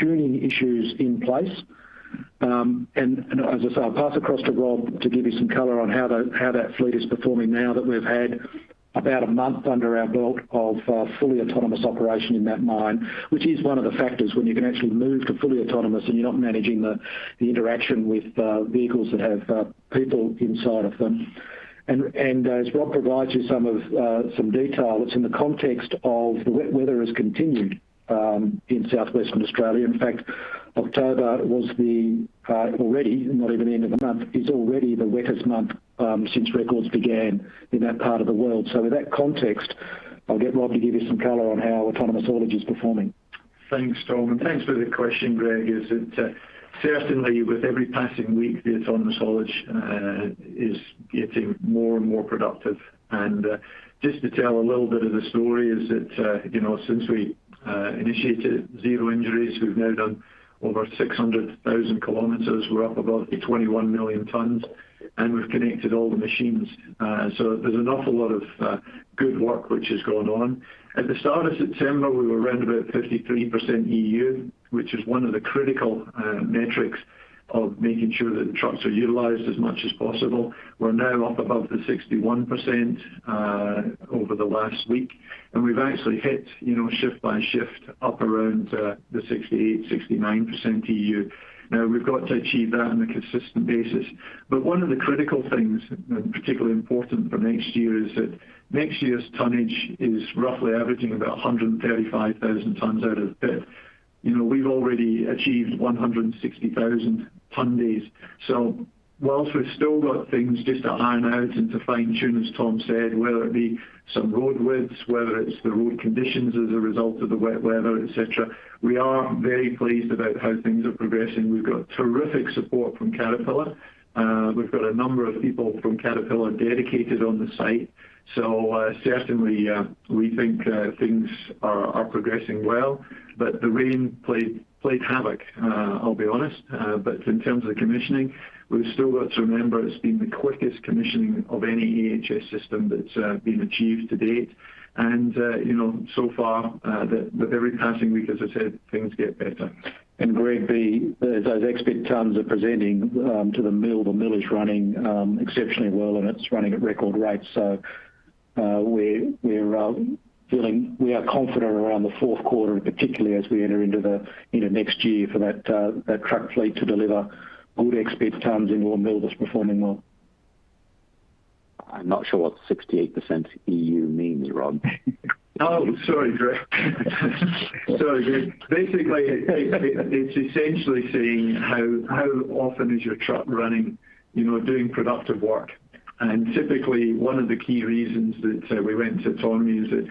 tuning issues in place. As I say, I'll pass across to Rob to give you some color on how that fleet is performing now that we've had about a month under our belt of fully autonomous operation in that mine. Which is one of the factors when you can actually move to fully autonomous and you're not managing the interaction with vehicles that have people inside of them. As Rob provides you some detail, it's in the context of the wet weather has continued in southwestern Australia. In fact, October is already the wettest month, not even the end of the month, since records began in that part of the world. In that context, I'll get Rob to give you some color on how autonomous haulage is performing.
Thanks, Tom, and thanks for the question, Greg. Certainly with every passing week, the autonomous haulage is getting more and more productive. Just to tell a little bit of the story is that, you know, since we initiated zero injuries, we've now done over 600,000 km. We're up above the 21 million tons, and we've connected all the machines. There's an awful lot of good work which has gone on. At the start of September, we were around about 53% EU, which is one of the critical metrics of making sure that the trucks are utilized as much as possible. We're now up above the 61% over the last week, and we've actually hit, you know, shift by shift up around the 68% to 69% EU. Now, we've got to achieve that on a consistent basis. One of the critical things, and particularly important for next year, is that next year's tonnage is roughly averaging about 135,000 tonnes ex-pit. You know, we've already achieved 160,000 tonne days. While we've still got things just to iron out and to fine-tune, as Tom said, whether it be some road widths, whether it's the road conditions as a result of the wet weather, et cetera, we are very pleased about how things are progressing. We've got terrific support from Caterpillar. We've got a number of people from Caterpillar dedicated on the site. Certainly, we think things are progressing well. The rain played havoc, I'll be honest. In terms of commissioning, we've still got to remember it's been the quickest commissioning of any AHS system that's been achieved to date. You know, so far, with every passing week, as I said, things get better.
Greg, as those ex-pit tonnes are presenting to the mill, the mill is running exceptionally well, and it's running at record rates. We are confident around the Q4, and particularly as we enter into the, you know, next year for that truck fleet to deliver good ex-pit tonnes into a mill that's performing well.
I'm not sure what 68% EU means, Rob.
Sorry, Greg. Basically, it's essentially saying how often is your truck running, you know, doing productive work. Typically, one of the key reasons that we went to autonomy is that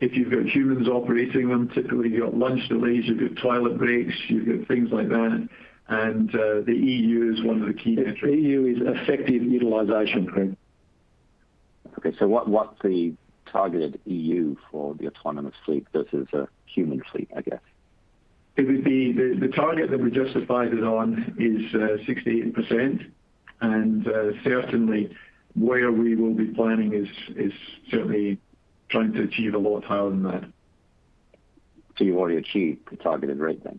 if you've got humans operating them, typically you've got lunch delays, you've got toilet breaks, you've got things like that. The EU is one of the key metrics.
EU is effective utilization, Greg.
Okay. What's the targeted EU for the autonomous fleet versus a human fleet, I guess?
It would be the target that we're justified it on is 68%. Certainly where we will be planning is certainly trying to achieve a lot higher than that.
You've already achieved the targeted rate then?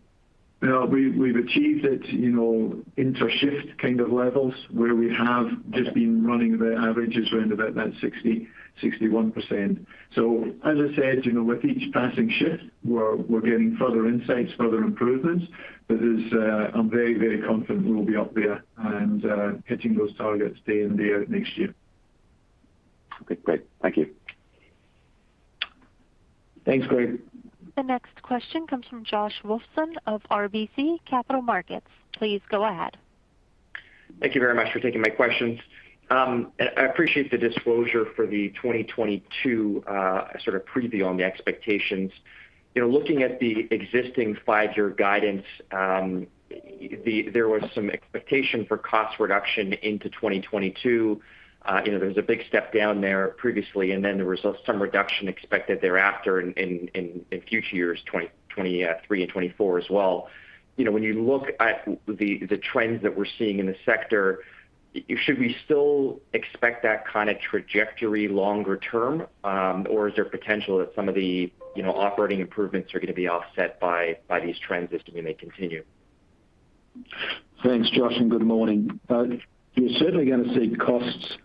Well, we've achieved it, you know, inter-shift kind of levels where we have just been running the averages around about that 60%, 61%. As I said, you know, with each passing shift, we're getting further insights, further improvements. There's, I'm very, very confident we'll be up there and hitting those targets day in, day out next year.
Okay, great. Thank you.
Thanks, Greg.
The next question comes from Josh Wolfson of RBC Capital Markets. Please go ahead.
Thank you very much for taking my questions. And I appreciate the disclosure for the 2022 sort of preview on the expectations. You know, looking at the existing five-year guidance, there was some expectation for cost reduction into 2022. You know, there was a big step down there previously, and then there was some reduction expected thereafter in future years, 2023 and 2024 as well. You know, when you look at the trends that we're seeing in the sector, should we still expect that kind of trajectory longer term, or is there potential that some of the operating improvements are gonna be offset by these trends as to when they continue?
Thanks, Josh, and good morning. You're certainly gonna see costs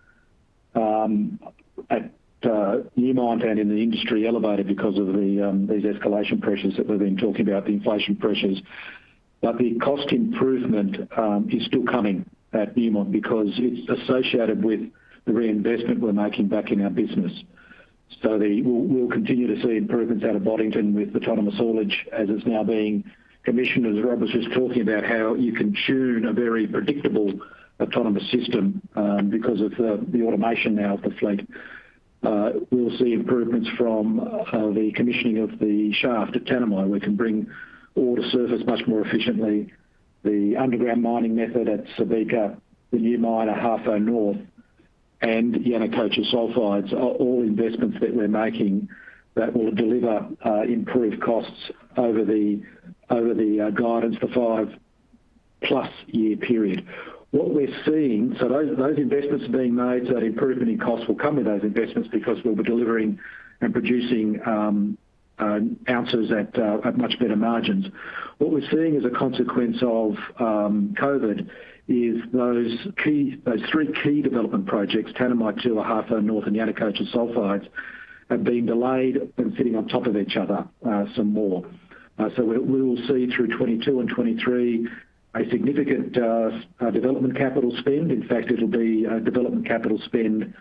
at Newmont and in the industry elevated because of these escalation pressures that we've been talking about, the inflation pressures. The cost improvement is still coming at Newmont because it's associated with the reinvestment we're making back in our business. We'll continue to see improvements out of Boddington with autonomous haulage as it's now being commissioned, as Rob was just talking about, how you can tune a very predictable autonomous system because of the automation now of the fleet. We'll see improvements from the commissioning of the shaft at Tanami. We can bring ore to surface much more efficiently. The underground mining method at Subika, the new mine at Ahafo North, and Yanacocha Sulfides are all investments that we're making that will deliver improved costs over the guidance for 5+ year period. What we're seeing those investments are being made, so the improvement in costs will come with those investments because we'll be delivering and producing ounces at much better margins. What we're seeing as a consequence of COVID is those three key development projects, Tanami Two, Ahafo North, and Yanacocha Sulfides, have been delayed and sitting on top of each other some more. We will see through 2022 and 2023 a significant development capital spend. In fact, it'll be development capital spend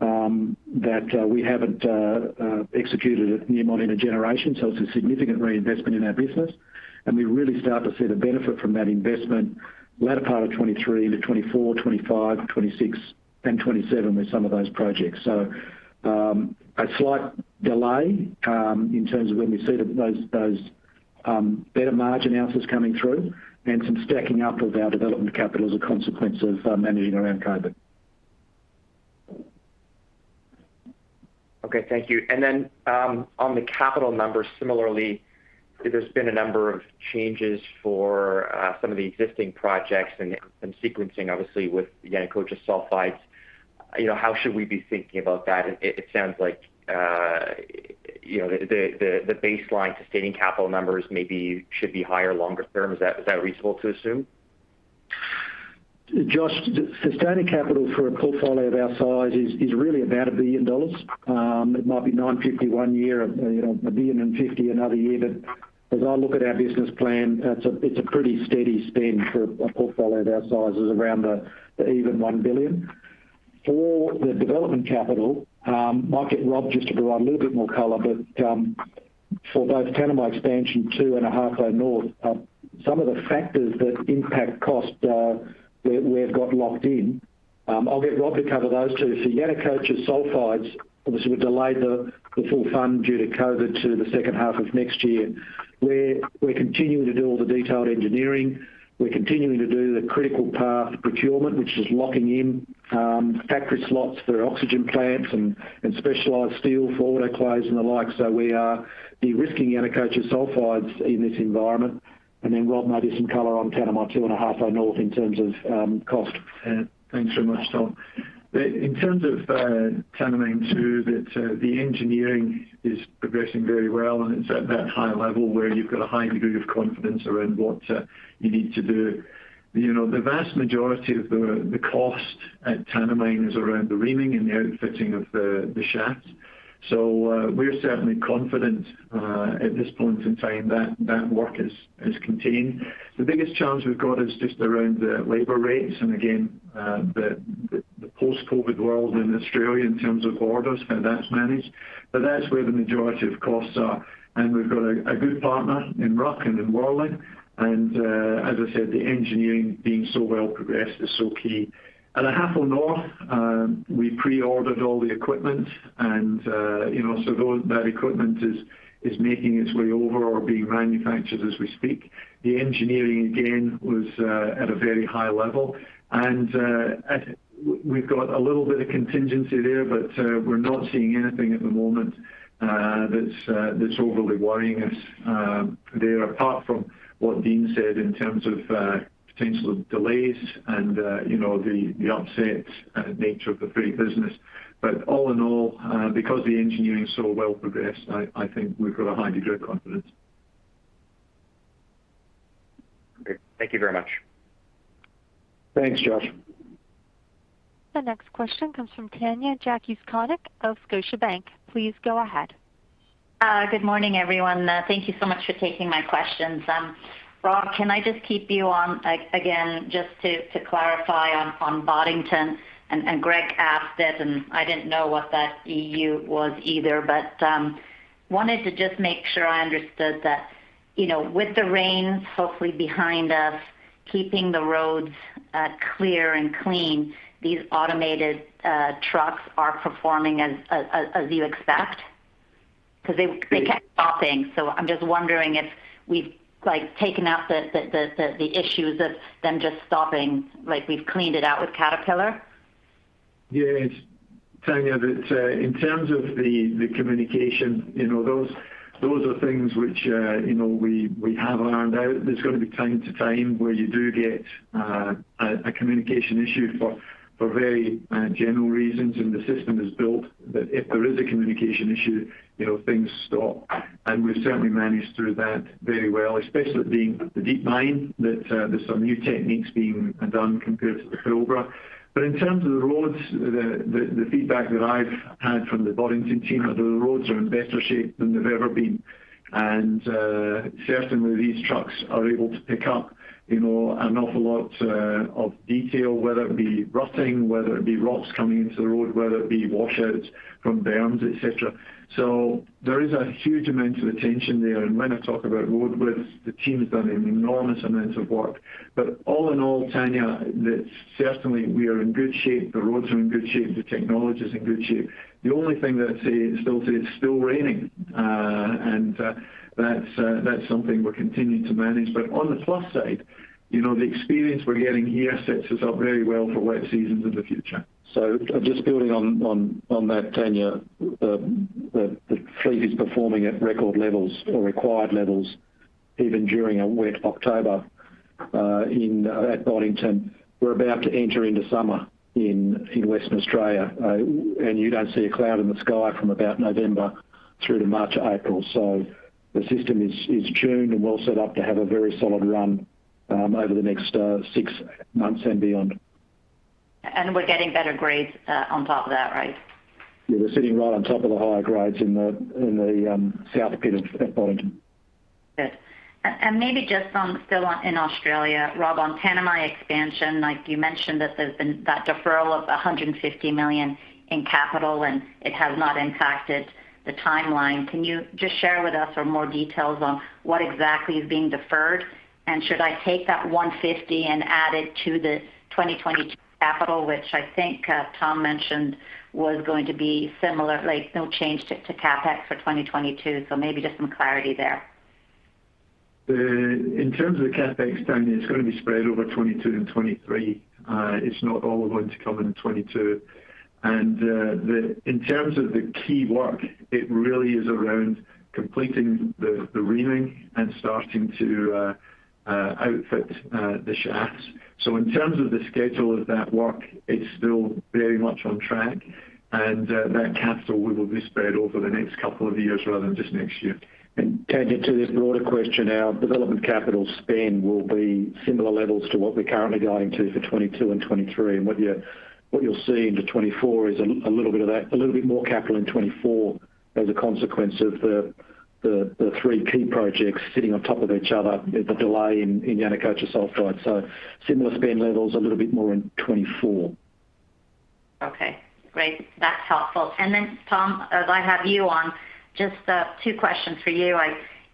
that we haven't executed at Newmont in a generation, so it's a significant reinvestment in our business. We really start to see the benefit from that investment latter part of 2023 into 2024, 2025, 2026, and 2027 with some of those projects. A slight delay in terms of when we see those better margin ounces coming through and some stacking up of our development capital as a consequence of managing around COVID.
Okay. Thank you. On the capital numbers, similarly, there's been a number of changes for some of the existing projects and sequencing obviously with Yanacocha Sulfides. You know, how should we be thinking about that? It sounds like, you know, the baseline sustaining capital numbers maybe should be higher longer term. Is that reasonable to assume?
Josh, sustaining capital for a portfolio of our size is really about $1 billion. It might be $950 million one year and, you know, $1.05 billion another year. But as I look at our business plan, it's a pretty steady spend for a portfolio of our size. It's around even $1 billion. For the development capital, I'll get Rob just to provide a little bit more color, but for both Tanami Expansion Two and Ahafo North, some of the factors that impact cost we've got locked in. I'll get Rob to cover those two. For Yanacocha Sulfides, obviously we delayed the full fund due to COVID to the second half of next year. We're continuing to do all the detailed engineering. We're continuing to do the critical path procurement, which is locking in factory slots for oxygen plants and specialized steel for autoclaves and the like. We are de-risking Yanacocha Sulfides in this environment. Then, Rob, maybe some color on Tanami Two and Ahafo North in terms of cost.
Yeah. Thanks so much, Tom. In terms of Tanami Two, the engineering is progressing very well, and it's at that high level where you've got a high degree of confidence around what you need to do. You know, the vast majority of the cost at Tanami is around the reaming and the outfitting of the shaft. We're certainly confident at this point in time that that work is contained. The biggest challenge we've got is just around the labor rates and again, the post-COVID world in Australia in terms of borders, how that's managed. That's where the majority of costs are. We've got a good partner in RUC and in Worley. As I said, the engineering being so well progressed is so key. At Ahafo North, we pre-ordered all the equipment and, you know, that equipment is making its way over or being manufactured as we speak. The engineering again was at a very high level. We've got a little bit of contingency there, but we're not seeing anything at the moment that's overly worrying us there apart from what Dean said in terms of potential delays and, you know, the upset nature of the freight business. All in all, because the engineering's so well progressed, I think we've got a high degree of confidence.
Great. Thank you very much.
Thanks, Josh.
The next question comes from Tanya Jakusconek of Scotiabank. Please go ahead.
Good morning, everyone. Thank you so much for taking my questions. Rob, can I just keep you on, again, just to clarify on Boddington? Greg asked it, and I didn't know what that EU was either, but wanted to just make sure I understood that, you know, with the rains hopefully behind us, keeping the roads clear and clean, these automated trucks are performing as you expect? Because they kept stopping. I'm just wondering if we've, like, taken out the issues of them just stopping, like we've cleaned it out with Caterpillar.
Yes, Tanya. That in terms of the communication, you know, those are things which you know, we have ironed out. There's gonna be from time to time where you do get a communication issue for very general reasons. The system is built so that if there is a communication issue, you know, things stop. We've certainly managed through that very well, especially it being the deep mine that there's some new techniques being done compared to the Pilbara. In terms of the roads, the feedback that I've had from the Boddington team is that the roads are in better shape than they've ever been. Certainly these trucks are able to pick up, you know, an awful lot of detail, whether it be roughing, whether it be rocks coming into the road, whether it be washouts from berms, et cetera. So there is a huge amount of attention there. When I talk about road widths, the team has done an enormous amount of work. But all in all, Tanya, certainly we are in good shape. The roads are in good shape, the technology's in good shape. The only thing that I'd say is still raining, and that's something we're continuing to manage. But on the plus side, you know, the experience we're getting here sets us up very well for wet seasons of the future.
Just building on that, Tanya, the fleet is performing at record levels or required levels even during a wet October in at Boddington. We're about to enter into summer in Western Australia. You don't see a cloud in the sky from about November through to March, April. The system is tuned and well set up to have a very solid run over the next six months and beyond.
We're getting better grades on top of that, right?
Yeah, we're sitting right on top of the higher grades in the south pit at Boddington.
Good. Maybe just on in Australia, Rob, on Tanami expansion, like you mentioned that there's been that deferral of $150 million in capital and it has not impacted the timeline. Can you just share with us some more details on what exactly is being deferred? Should I take that 150 and add it to the 2022 capital, which I think Tom mentioned was going to be similar, like no change to CapEx for 2022? Maybe just some clarity there.
In terms of the CapEx timing, it's gonna be spread over 2022 and 2023. It's not all going to come in in 2022. In terms of the key work, it really is around completing the reaming and starting to outfit the shafts. In terms of the schedule of that work, it's still very much on track. That capital will be spread over the next couple of years rather than just next year. Tangent to this broader question, our development capital spend will be similar levels to what we're currently guiding to for 2022 and 2023. What you'll see into 2024 is a little bit of that, a little bit more capital in 2024 as a consequence of the three key projects sitting on top of each other with the delay in Yanacocha sulfide. Similar spend levels, a little bit more in 2024.
Okay, great. That's helpful. Tom, as I have you on, just two questions for you.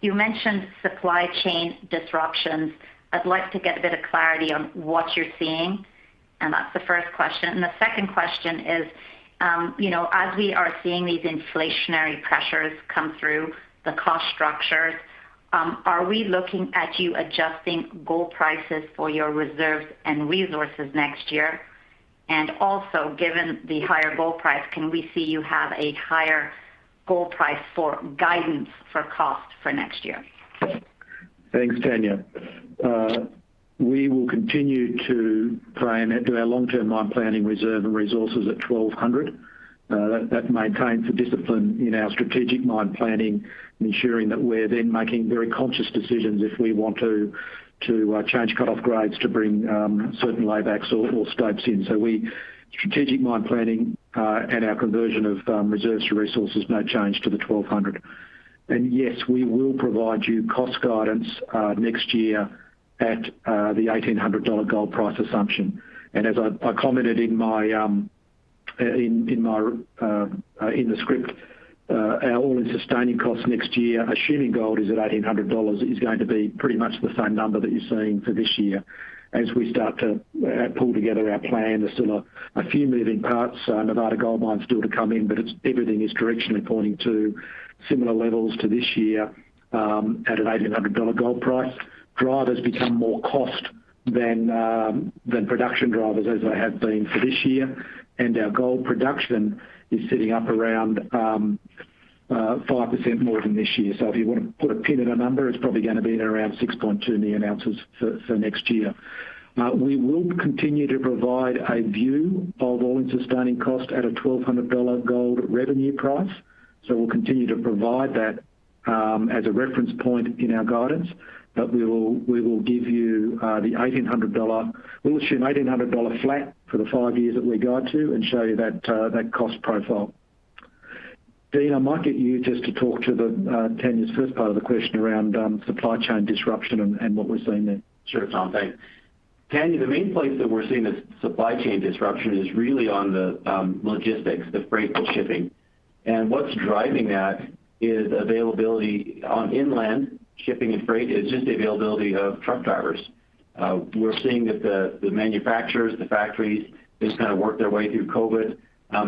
You mentioned supply chain disruptions. I'd like to get a bit of clarity on what you're seeing, and that's the first question. The second question is, you know, as we are seeing these inflationary pressures come through the cost structures, are we looking at you adjusting gold prices for your reserves and resources next year? And also, given the higher gold price, can we see you have a higher gold price for guidance for cost for next year?
Thanks, Tanya. We will continue to plan and do our long-term mine planning reserve and resources at $1,200. That maintains the discipline in our strategic mine planning and ensuring that we're then making very conscious decisions if we want to change cut-off grades to bring certain laybacks or stopes in. Strategic mine planning and our conversion of reserves to resources, no change to the $1,200. Yes, we will provide you cost guidance next year at the $1,800 gold price assumption. As I commented in my script, our all-in sustaining costs next year, assuming gold is at $1,800, is going to be pretty much the same number that you're seeing for this year. As we start to pull together our plan, there's still a few moving parts. Nevada Gold Mines is still to come in, but everything is directionally pointing to similar levels to this year at a $1,800 gold price. Drivers become more cost than production drivers as they have been for this year. Our gold production is sitting up around 5% more than this year. If you wanna put a pin in a number, it's probably gonna be at around 6.2 million ounces for next year. We will continue to provide a view of all-in sustaining cost at a $1,200 gold revenue price. We'll continue to provide that as a reference point in our guidance. We will give you the $1,800. We'll assume $1,800 flat for the five years that we guide to and show you that cost profile. Dean, I might get you just to talk to the Tanya's first part of the question around supply chain disruption and what we're seeing there.
Sure, Tom. Thanks. Tanya, the main place that we're seeing the supply chain disruption is really on the logistics, the freight for shipping. What's driving that is availability on inland shipping and freight. It's just the availability of truck drivers. We're seeing that the manufacturers, the factories, they just kinda work their way through COVID.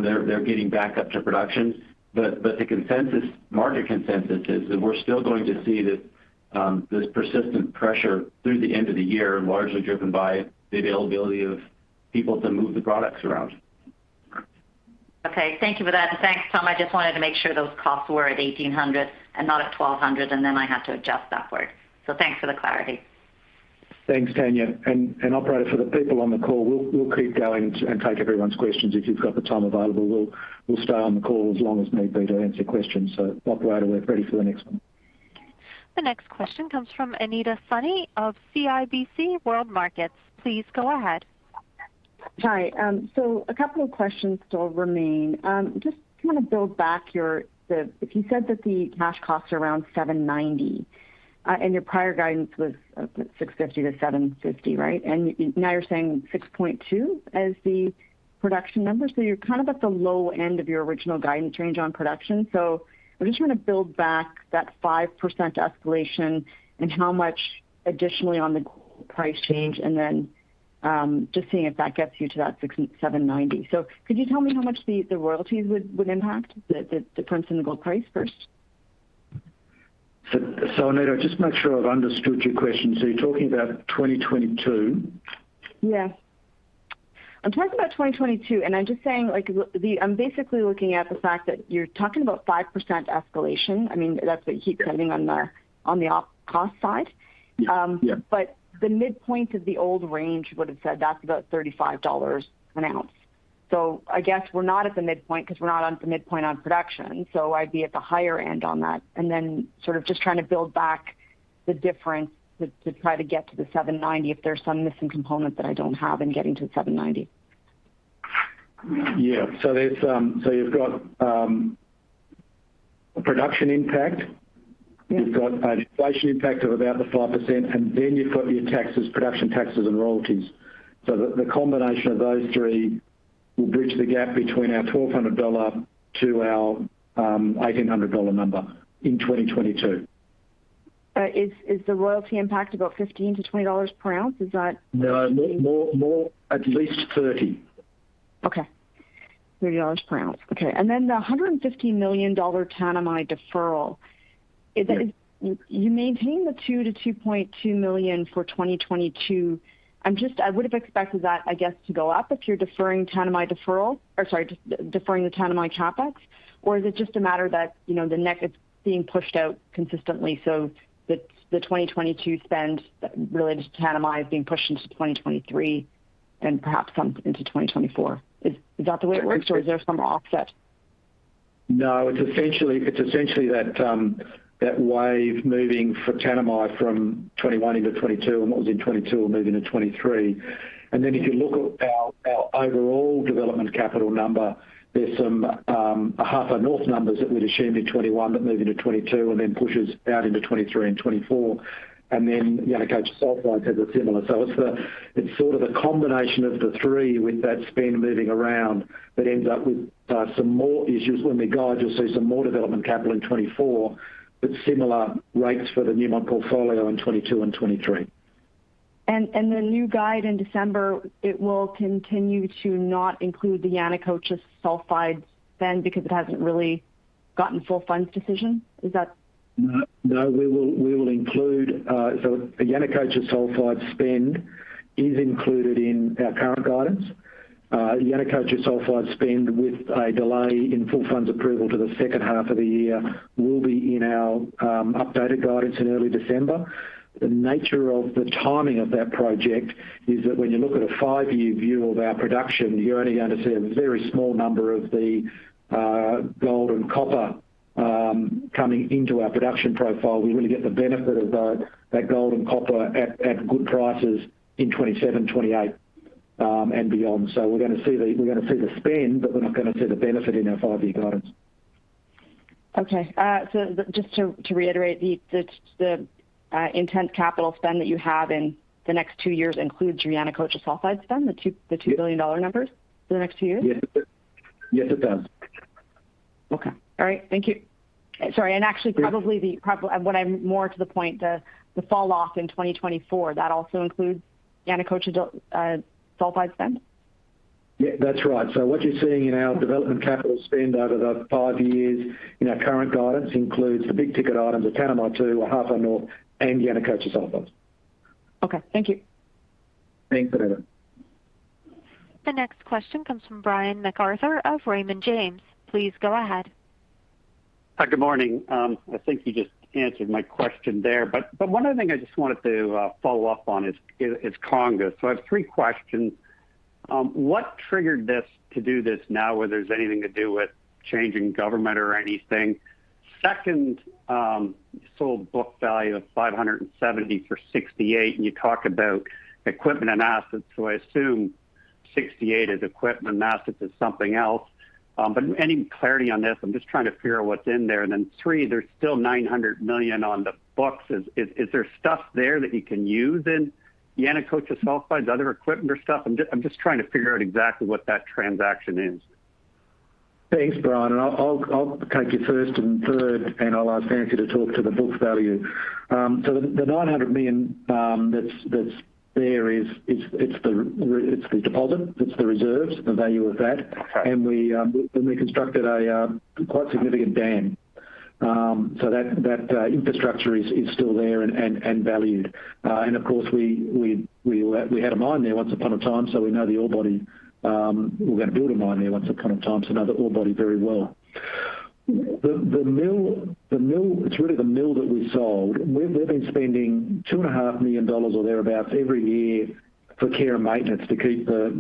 They're getting back up to production. The consensus, market consensus is that we're still going to see this persistent pressure through the end of the year, largely driven by the availability of people to move the products around.
Okay. Thank you for that. Thanks, Tom. I just wanted to make sure those costs were at $1,800 and not at $1,200, and then I had to adjust upward. Thanks for the clarity.
Thanks, Tanya. Operator, for the people on the call, we'll keep going and take everyone's questions. If you've got the time available, we'll stay on the call as long as need be to answer questions. Operator, we're ready for the next one.
The next question comes from Anita Soni of CIBC World Markets. Please go ahead.
Hi. A couple of questions still remain. Just wanna build back your if you said that the cash costs are around $790, and your prior guidance was $650 to $750, right? Now you're saying 6.2 as the production numbers. You're kind of at the low end of your original guidance range on production. I'm just gonna build back that 5% escalation and how much additionally on the price change, and then just seeing if that gets you to that $790. Could you tell me how much the royalties would impact the costs and the gold price first?
Anita, just make sure I've understood your question. You're talking about 2022?
Yeah. I'm talking about 2022, and I'm just saying like I'm basically looking at the fact that you're talking about 5% escalation. I mean, that's what you keep saying on the OpEx cost side.
Yeah. Yeah.
The midpoint of the old range would've said that's about $35 an ounce. I guess we're not at the midpoint 'cause we're not on the midpoint on production, so I'd be at the higher end on that. Then sort of just trying to build back the difference to try to get to the $790 if there's some missing component that I don't have in getting to $790.
Yeah. You've got production impact.
Yeah.
You've got an inflation impact of about the 5%, and then you've got your taxes, production taxes and royalties. The combination of those three will bridge the gap between our $1,200 to $1,800 number in 2022.
Is the royalty impact about $15 to $20 per ounce?
No. More, at least 30.
Okay. $30 per ounce. Okay. Then the $150 million Tanami deferral. Is it-
Yeah.
You maintain the 2 million to 2.2 million for 2022. I'm just, I would've expected that, I guess, to go up if you're just deferring the Tanami CapEx. Is it just a matter that, you know, the neck is being pushed out consistently so the 2022 spend related to Tanami is being pushed into 2023 and perhaps some into 2024? Is that the way it works or is there some offset?
No. It's essentially that wave moving for Tanami from 2021 into 2022 and what was in 2022 will move into 2023. If you look at our overall development capital number, there's some Ahafo North numbers that we'd assumed in 2021 but move into 2022 and then pushes out into 2023 and 2024. Yanacocha Sulfide has a similar. It's sort of a combination of the three with that spend moving around that ends up with some more issues. When we guide, you'll see some more development capital in 2024, but similar rates for the Newmont portfolio in 2022 and 2023.
The new guide in December, it will continue to not include the Yanacocha Sulfide spend because it hasn't really gotten full funding decision. Is that-
No. We will include the Yanacocha Sulfide spend in our current guidance. Yanacocha Sulfide spend with a delay in full funds approval to the second half of the year will be in our updated guidance in early December. The nature of the timing of that project is that when you look at a five-year view of our production, you're only going to see a very small number of the gold and copper coming into our production profile. We really get the benefit of that gold and copper at good prices in 2027, 2028, and beyond. We're gonna see the spend, but we're not gonna see the benefit in our five-year guidance.
Just to reiterate the intended capital spend that you have in the next two years includes your Yanacocha Sulfide spend, the $2 billion numbers for the next two years?
Yes, it does.
Okay. All right. Thank you. Sorry, actually probably what I'm more to the point, the fall off in 2024, that also includes Yanacocha Sulfide spend?
Yeah. That's right. What you're seeing in our development capital spend over the five years in our current guidance includes the big ticket items of Tanami Two, Ahafo North and Yanacocha Sulfide.
Okay. Thank you.
Thanks, Anita.
The next question comes from Brian MacArthur of Raymond James. Please go ahead.
Hi. Good morning. I think you just answered my question there, but one other thing I just wanted to follow up on is Conga. I have three questions. What triggered this to do this now, whether it's anything to do with changing government or anything? Second, you sold book value of $570 for $68, and you talk about equipment and assets. So I assume 68 is equipment, assets is something else. But any clarity on this? I'm just trying to figure out what's in there. Three, there's still $900 million on the books. Is there stuff there that you can use in Yanacocha Sulfide, other equipment or stuff? I'm just trying to figure out exactly what that transaction is.
Thanks, Brian. I'll take your first and third, and I'll ask Nancy to talk to the book value. The $900 million, it's the deposit, it's the reserves, the value of that.
Okay.
We constructed a quite significant dam. That infrastructure is still there and valued. Of course, we had a mine there once upon a time, so we know the ore body. We're gonna build a mine there once upon a time, so know the ore body very well. The mill. It's really the mill that we sold. We've been spending $2.5 million or thereabout every year for care and maintenance to keep the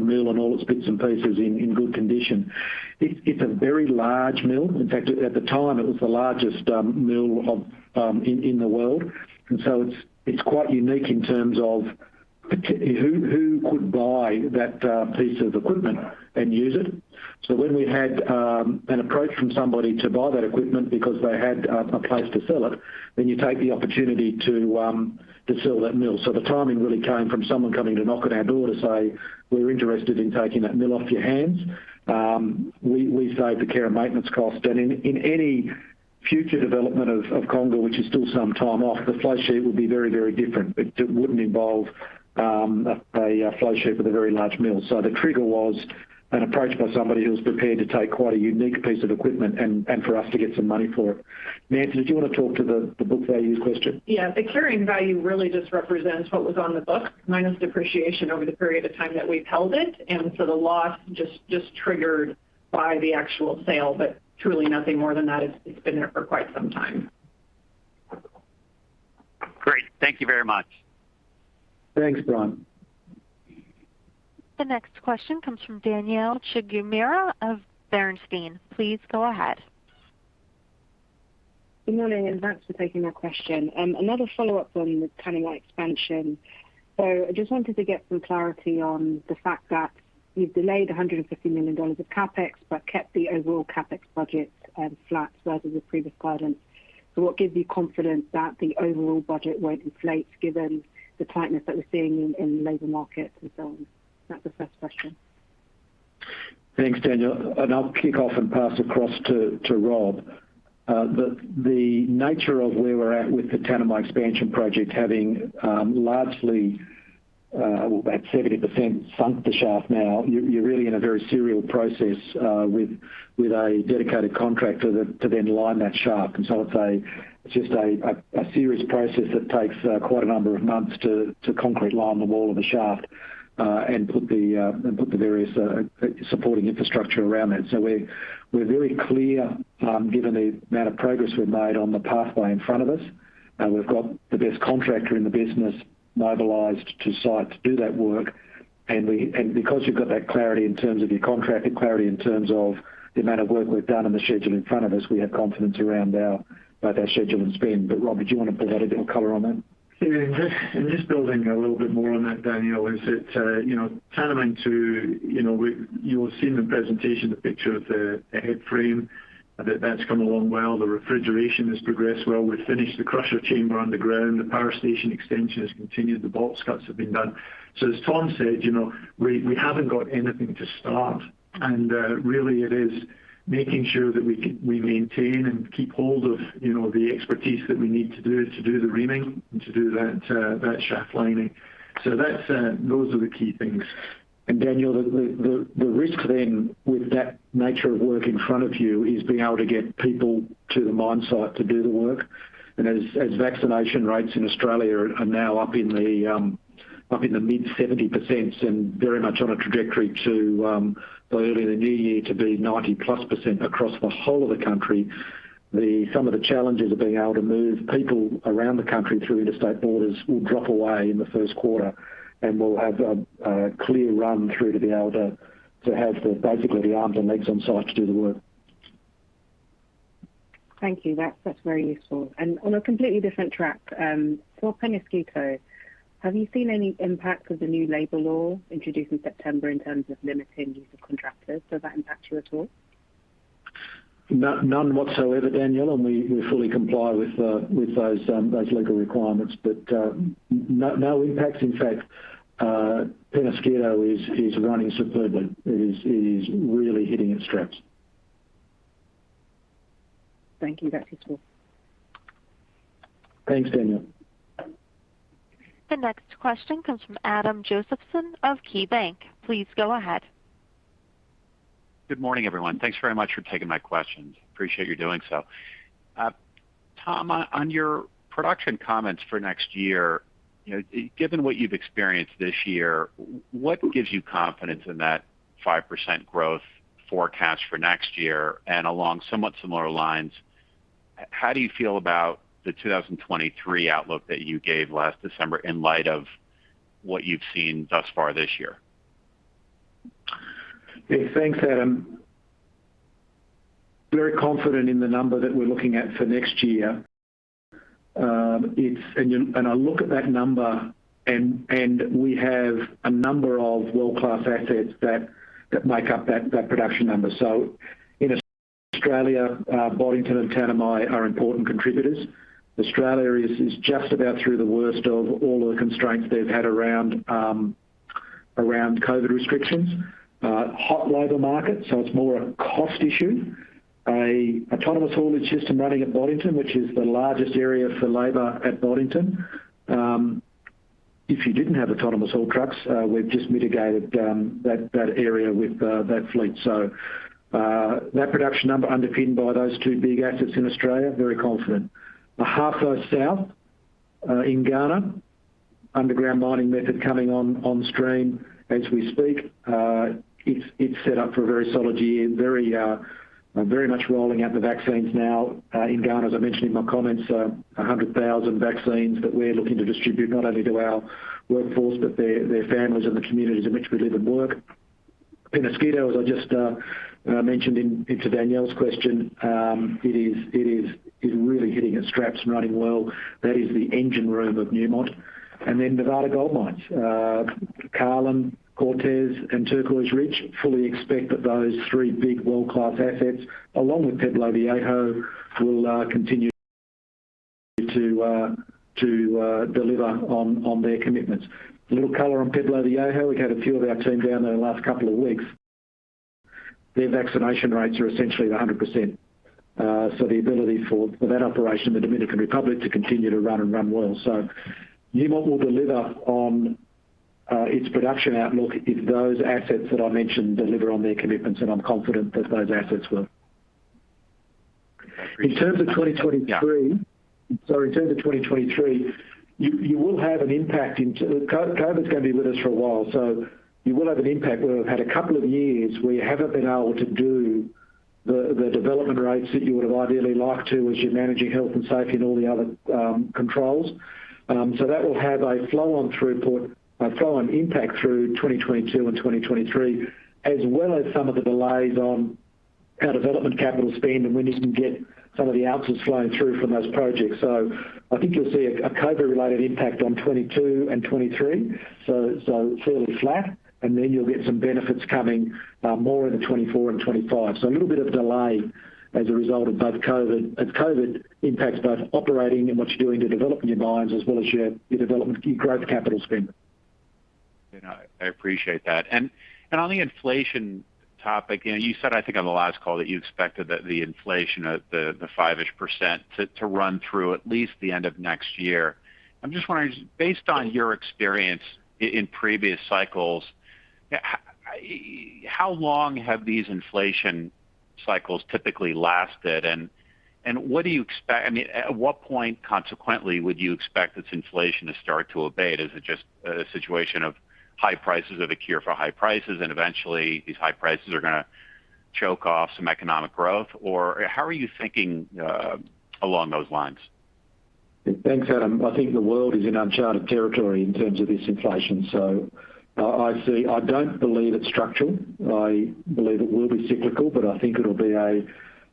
mill and all its bits and pieces in good condition. It's a very large mill. In fact, at the time, it was the largest mill in the world. It's quite unique in terms of who could buy that piece of equipment and use it. When we had an approach from somebody to buy that equipment because they had a place to sell it, then you take the opportunity to sell that mill. The timing really came from someone coming to knock on our door to say, "We're interested in taking that mill off your hands." We saved the care and maintenance cost. In any future development of Conga, which is still some time off, the flow sheet would be very different. It wouldn't involve a flow sheet with a very large mill. The trigger was an approach by somebody who was prepared to take quite a unique piece of equipment and for us to get some money for it. Nancy, did you wanna talk to the book value question?
Yeah. The carrying value really just represents what was on the book minus depreciation over the period of time that we've held it. The loss just triggered by the actual sale, but truly nothing more than that. It's been there for quite some time.
Great. Thank you very much.
Thanks, Brian.
The next question comes from Danielle Chigumira of Bernstein. Please go ahead.
Good morning, and thanks for taking my question. Another follow-up on the Tanami expansion. I just wanted to get some clarity on the fact that you've delayed $150 million of CapEx, but kept the overall CapEx budget flat rather than previous guidance. What gives you confidence that the overall budget won't inflate given the tightness that we're seeing in labor markets and so on? That's the first question.
Thanks, Danielle. I'll kick off and pass across to Rob. The nature of where we're at with the Tanami Expansion project having largely well, about 70% sunk the shaft now, you're really in a very serial process with a dedicated contractor that to then line that shaft. It's just a serious process that takes quite a number of months to concrete line the wall of the shaft and put the various supporting infrastructure around that. We're very clear given the amount of progress we've made on the pathway in front of us. We've got the best contractor in the business mobilized to site to do that work. Because you've got that clarity in terms of your contractor, clarity in terms of the amount of work we've done and the schedule in front of us, we have confidence around our, both our schedule and spend. Rob, did you wanna pull out a bit more color on that?
Just building a little bit more on that, Danielle. You will see in the presentation the picture of the headframe. That's come along well. The refrigeration has progressed well. We've finished the crusher chamber underground. The power station extension has continued. The bolt cuts have been done. As Tom said, you know, we haven't got anything to start. Really it is making sure that we maintain and keep hold of, you know, the expertise that we need to do the reaming and to do that shaft lining. That's those are the key things.
Danielle, the risk then with that nature of work in front of you is being able to get people to the mine site to do the work. As vaccination rates in Australia are now up in the mid-70% and very much on a trajectory to by early in the new year to be 90%+ across the whole of the country, some of the challenges of being able to move people around the country through interstate borders will drop away in the Q1 and will have a clear run through to be able to have basically the arms and legs on site to do the work.
Thank you. That's very useful. On a completely different track, for Peñasquito, have you seen any impact of the new labor law introduced in September in terms of limiting use of contractors? Does that impact you at all?
None whatsoever, Danielle. We fully comply with those legal requirements. No impacts. In fact, Peñasquito is running superbly. It is really hitting its straps.
Thank you. That's it.
Thanks, Danielle.
The next question comes from Adam Josephson of KeyBanc Capital Markets. Please go ahead.
Good morning, everyone. Thanks very much for taking my questions. Appreciate you doing so. Tom, on your production comments for next year, you know, given what you've experienced this year, what gives you confidence in that 5% growth forecast for next year? Along somewhat similar lines, how do you feel about the 2023 outlook that you gave last December in light of what you've seen thus far this year?
Yeah. Thanks, Adam. Very confident in the number that we're looking at for next year. I look at that number and we have a number of world-class assets that make up that production number. In Australia, Boddington and Tanami are important contributors. Australia is just about through the worst of all the constraints they've had around COVID restrictions. Hot labor market, so it's more a cost issue. An autonomous haulage system running at Boddington, which is the largest area for labor at Boddington. If you didn't have autonomous haul trucks, we've just mitigated that area with that fleet. That production number underpinned by those two big assets in Australia, very confident. Ahafo South in Ghana, underground mining method coming on stream as we speak. It's set up for a very solid year. Very much rolling out the vaccines now in Ghana. As I mentioned in my comments, 100,000 vaccines that we're looking to distribute not only to our workforce, but their families and the communities in which we live and work. Peñasquito, as I just mentioned in Danielle's question, it is really hitting its straps and running well. That is the engine room of Newmont. Then Nevada Gold Mines. Carlin, Cortez, and Turquoise Ridge fully expect that those three big world-class assets, along with Pueblo Viejo, will continue to deliver on their commitments. A little color on Pueblo Viejo. We've had a few of our team down there in the last couple of weeks. Their vaccination rates are essentially at 100%. The ability for that operation in the Dominican Republic to continue to run and run well. Newmont will deliver on its production outlook if those assets that I mentioned deliver on their commitments, and I'm confident that those assets will.
I appreciate.
In terms of 2023,
Yeah.
In terms of 2023, you will have an impact in COVID's gonna be with us for a while, you will have an impact where we've had a couple of years where you haven't been able to do the development rates that you would've ideally liked to as you're managing health and safety and all the other controls. That will have a flow-on throughput, a flow-on impact through 2022 and 2023, as well as some of the delays on our development capital spend and when you can get some of the ounces flowing through from those projects. I think you'll see a COVID-related impact on 2022 and 2023, fairly flat, and then you'll get some benefits coming more in the 2024 and 2025. A little bit of delay as a result of both COVID. As COVID impacts both operating and what you're doing to developing your mines, as well as your development, your growth capital spend.
I appreciate that. On the inflation topic, you know, you said, I think on the last call, that you expected that the inflation of the 5% to run through at least the end of next year. I'm just wondering, based on your experience in previous cycles, how long have these inflation cycles typically lasted? What do you expect? I mean, at what point, consequently, would you expect this inflation to start to abate? Is it just a situation of high prices are the cure for high prices, and eventually these high prices are gonna choke off some economic growth? Or how are you thinking along those lines?
Thanks, Adam. I think the world is in uncharted territory in terms of this inflation. I see. I don't believe it's structural. I believe it will be cyclical, but I think it'll be a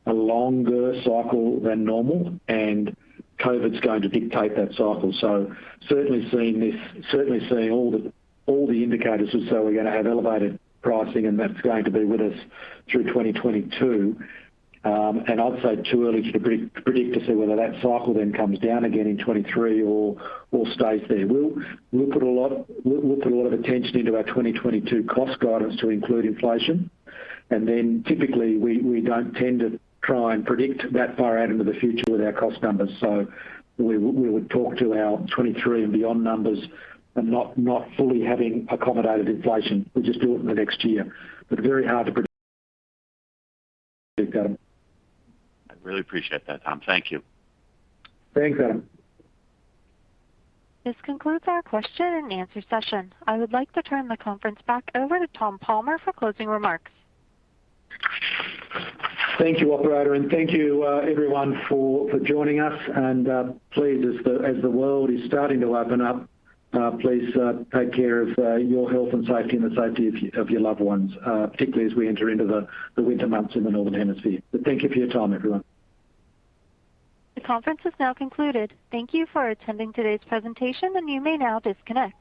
longer cycle than normal, and COVID's going to dictate that cycle. Certainly seeing all the indicators as though we're gonna have elevated pricing, and that's going to be with us through 2022. And also too early to predict to say whether that cycle then comes down again in 2023 or stays there. We'll put a lot of attention into our 2022 cost guidance to include inflation. Then typically, we don't tend to try and predict that far out into the future with our cost numbers. We would talk to our 2023 and beyond numbers and not fully having accommodated inflation. We'll just do it in the next year. Very hard to predict, Adam.
I really appreciate that, Tom. Thank you.
Thanks, Adam.
This concludes our question and answer session. I would like to turn the conference back over to Tom Palmer for closing remarks.
Thank you, operator, and thank you, everyone for joining us. Please, take care of your health and safety and the safety of your loved ones, particularly as we enter into the winter months in the Northern Hemisphere. Thank you for your time, everyone.
The conference has now concluded. Thank you for attending today's presentation, and you may now disconnect.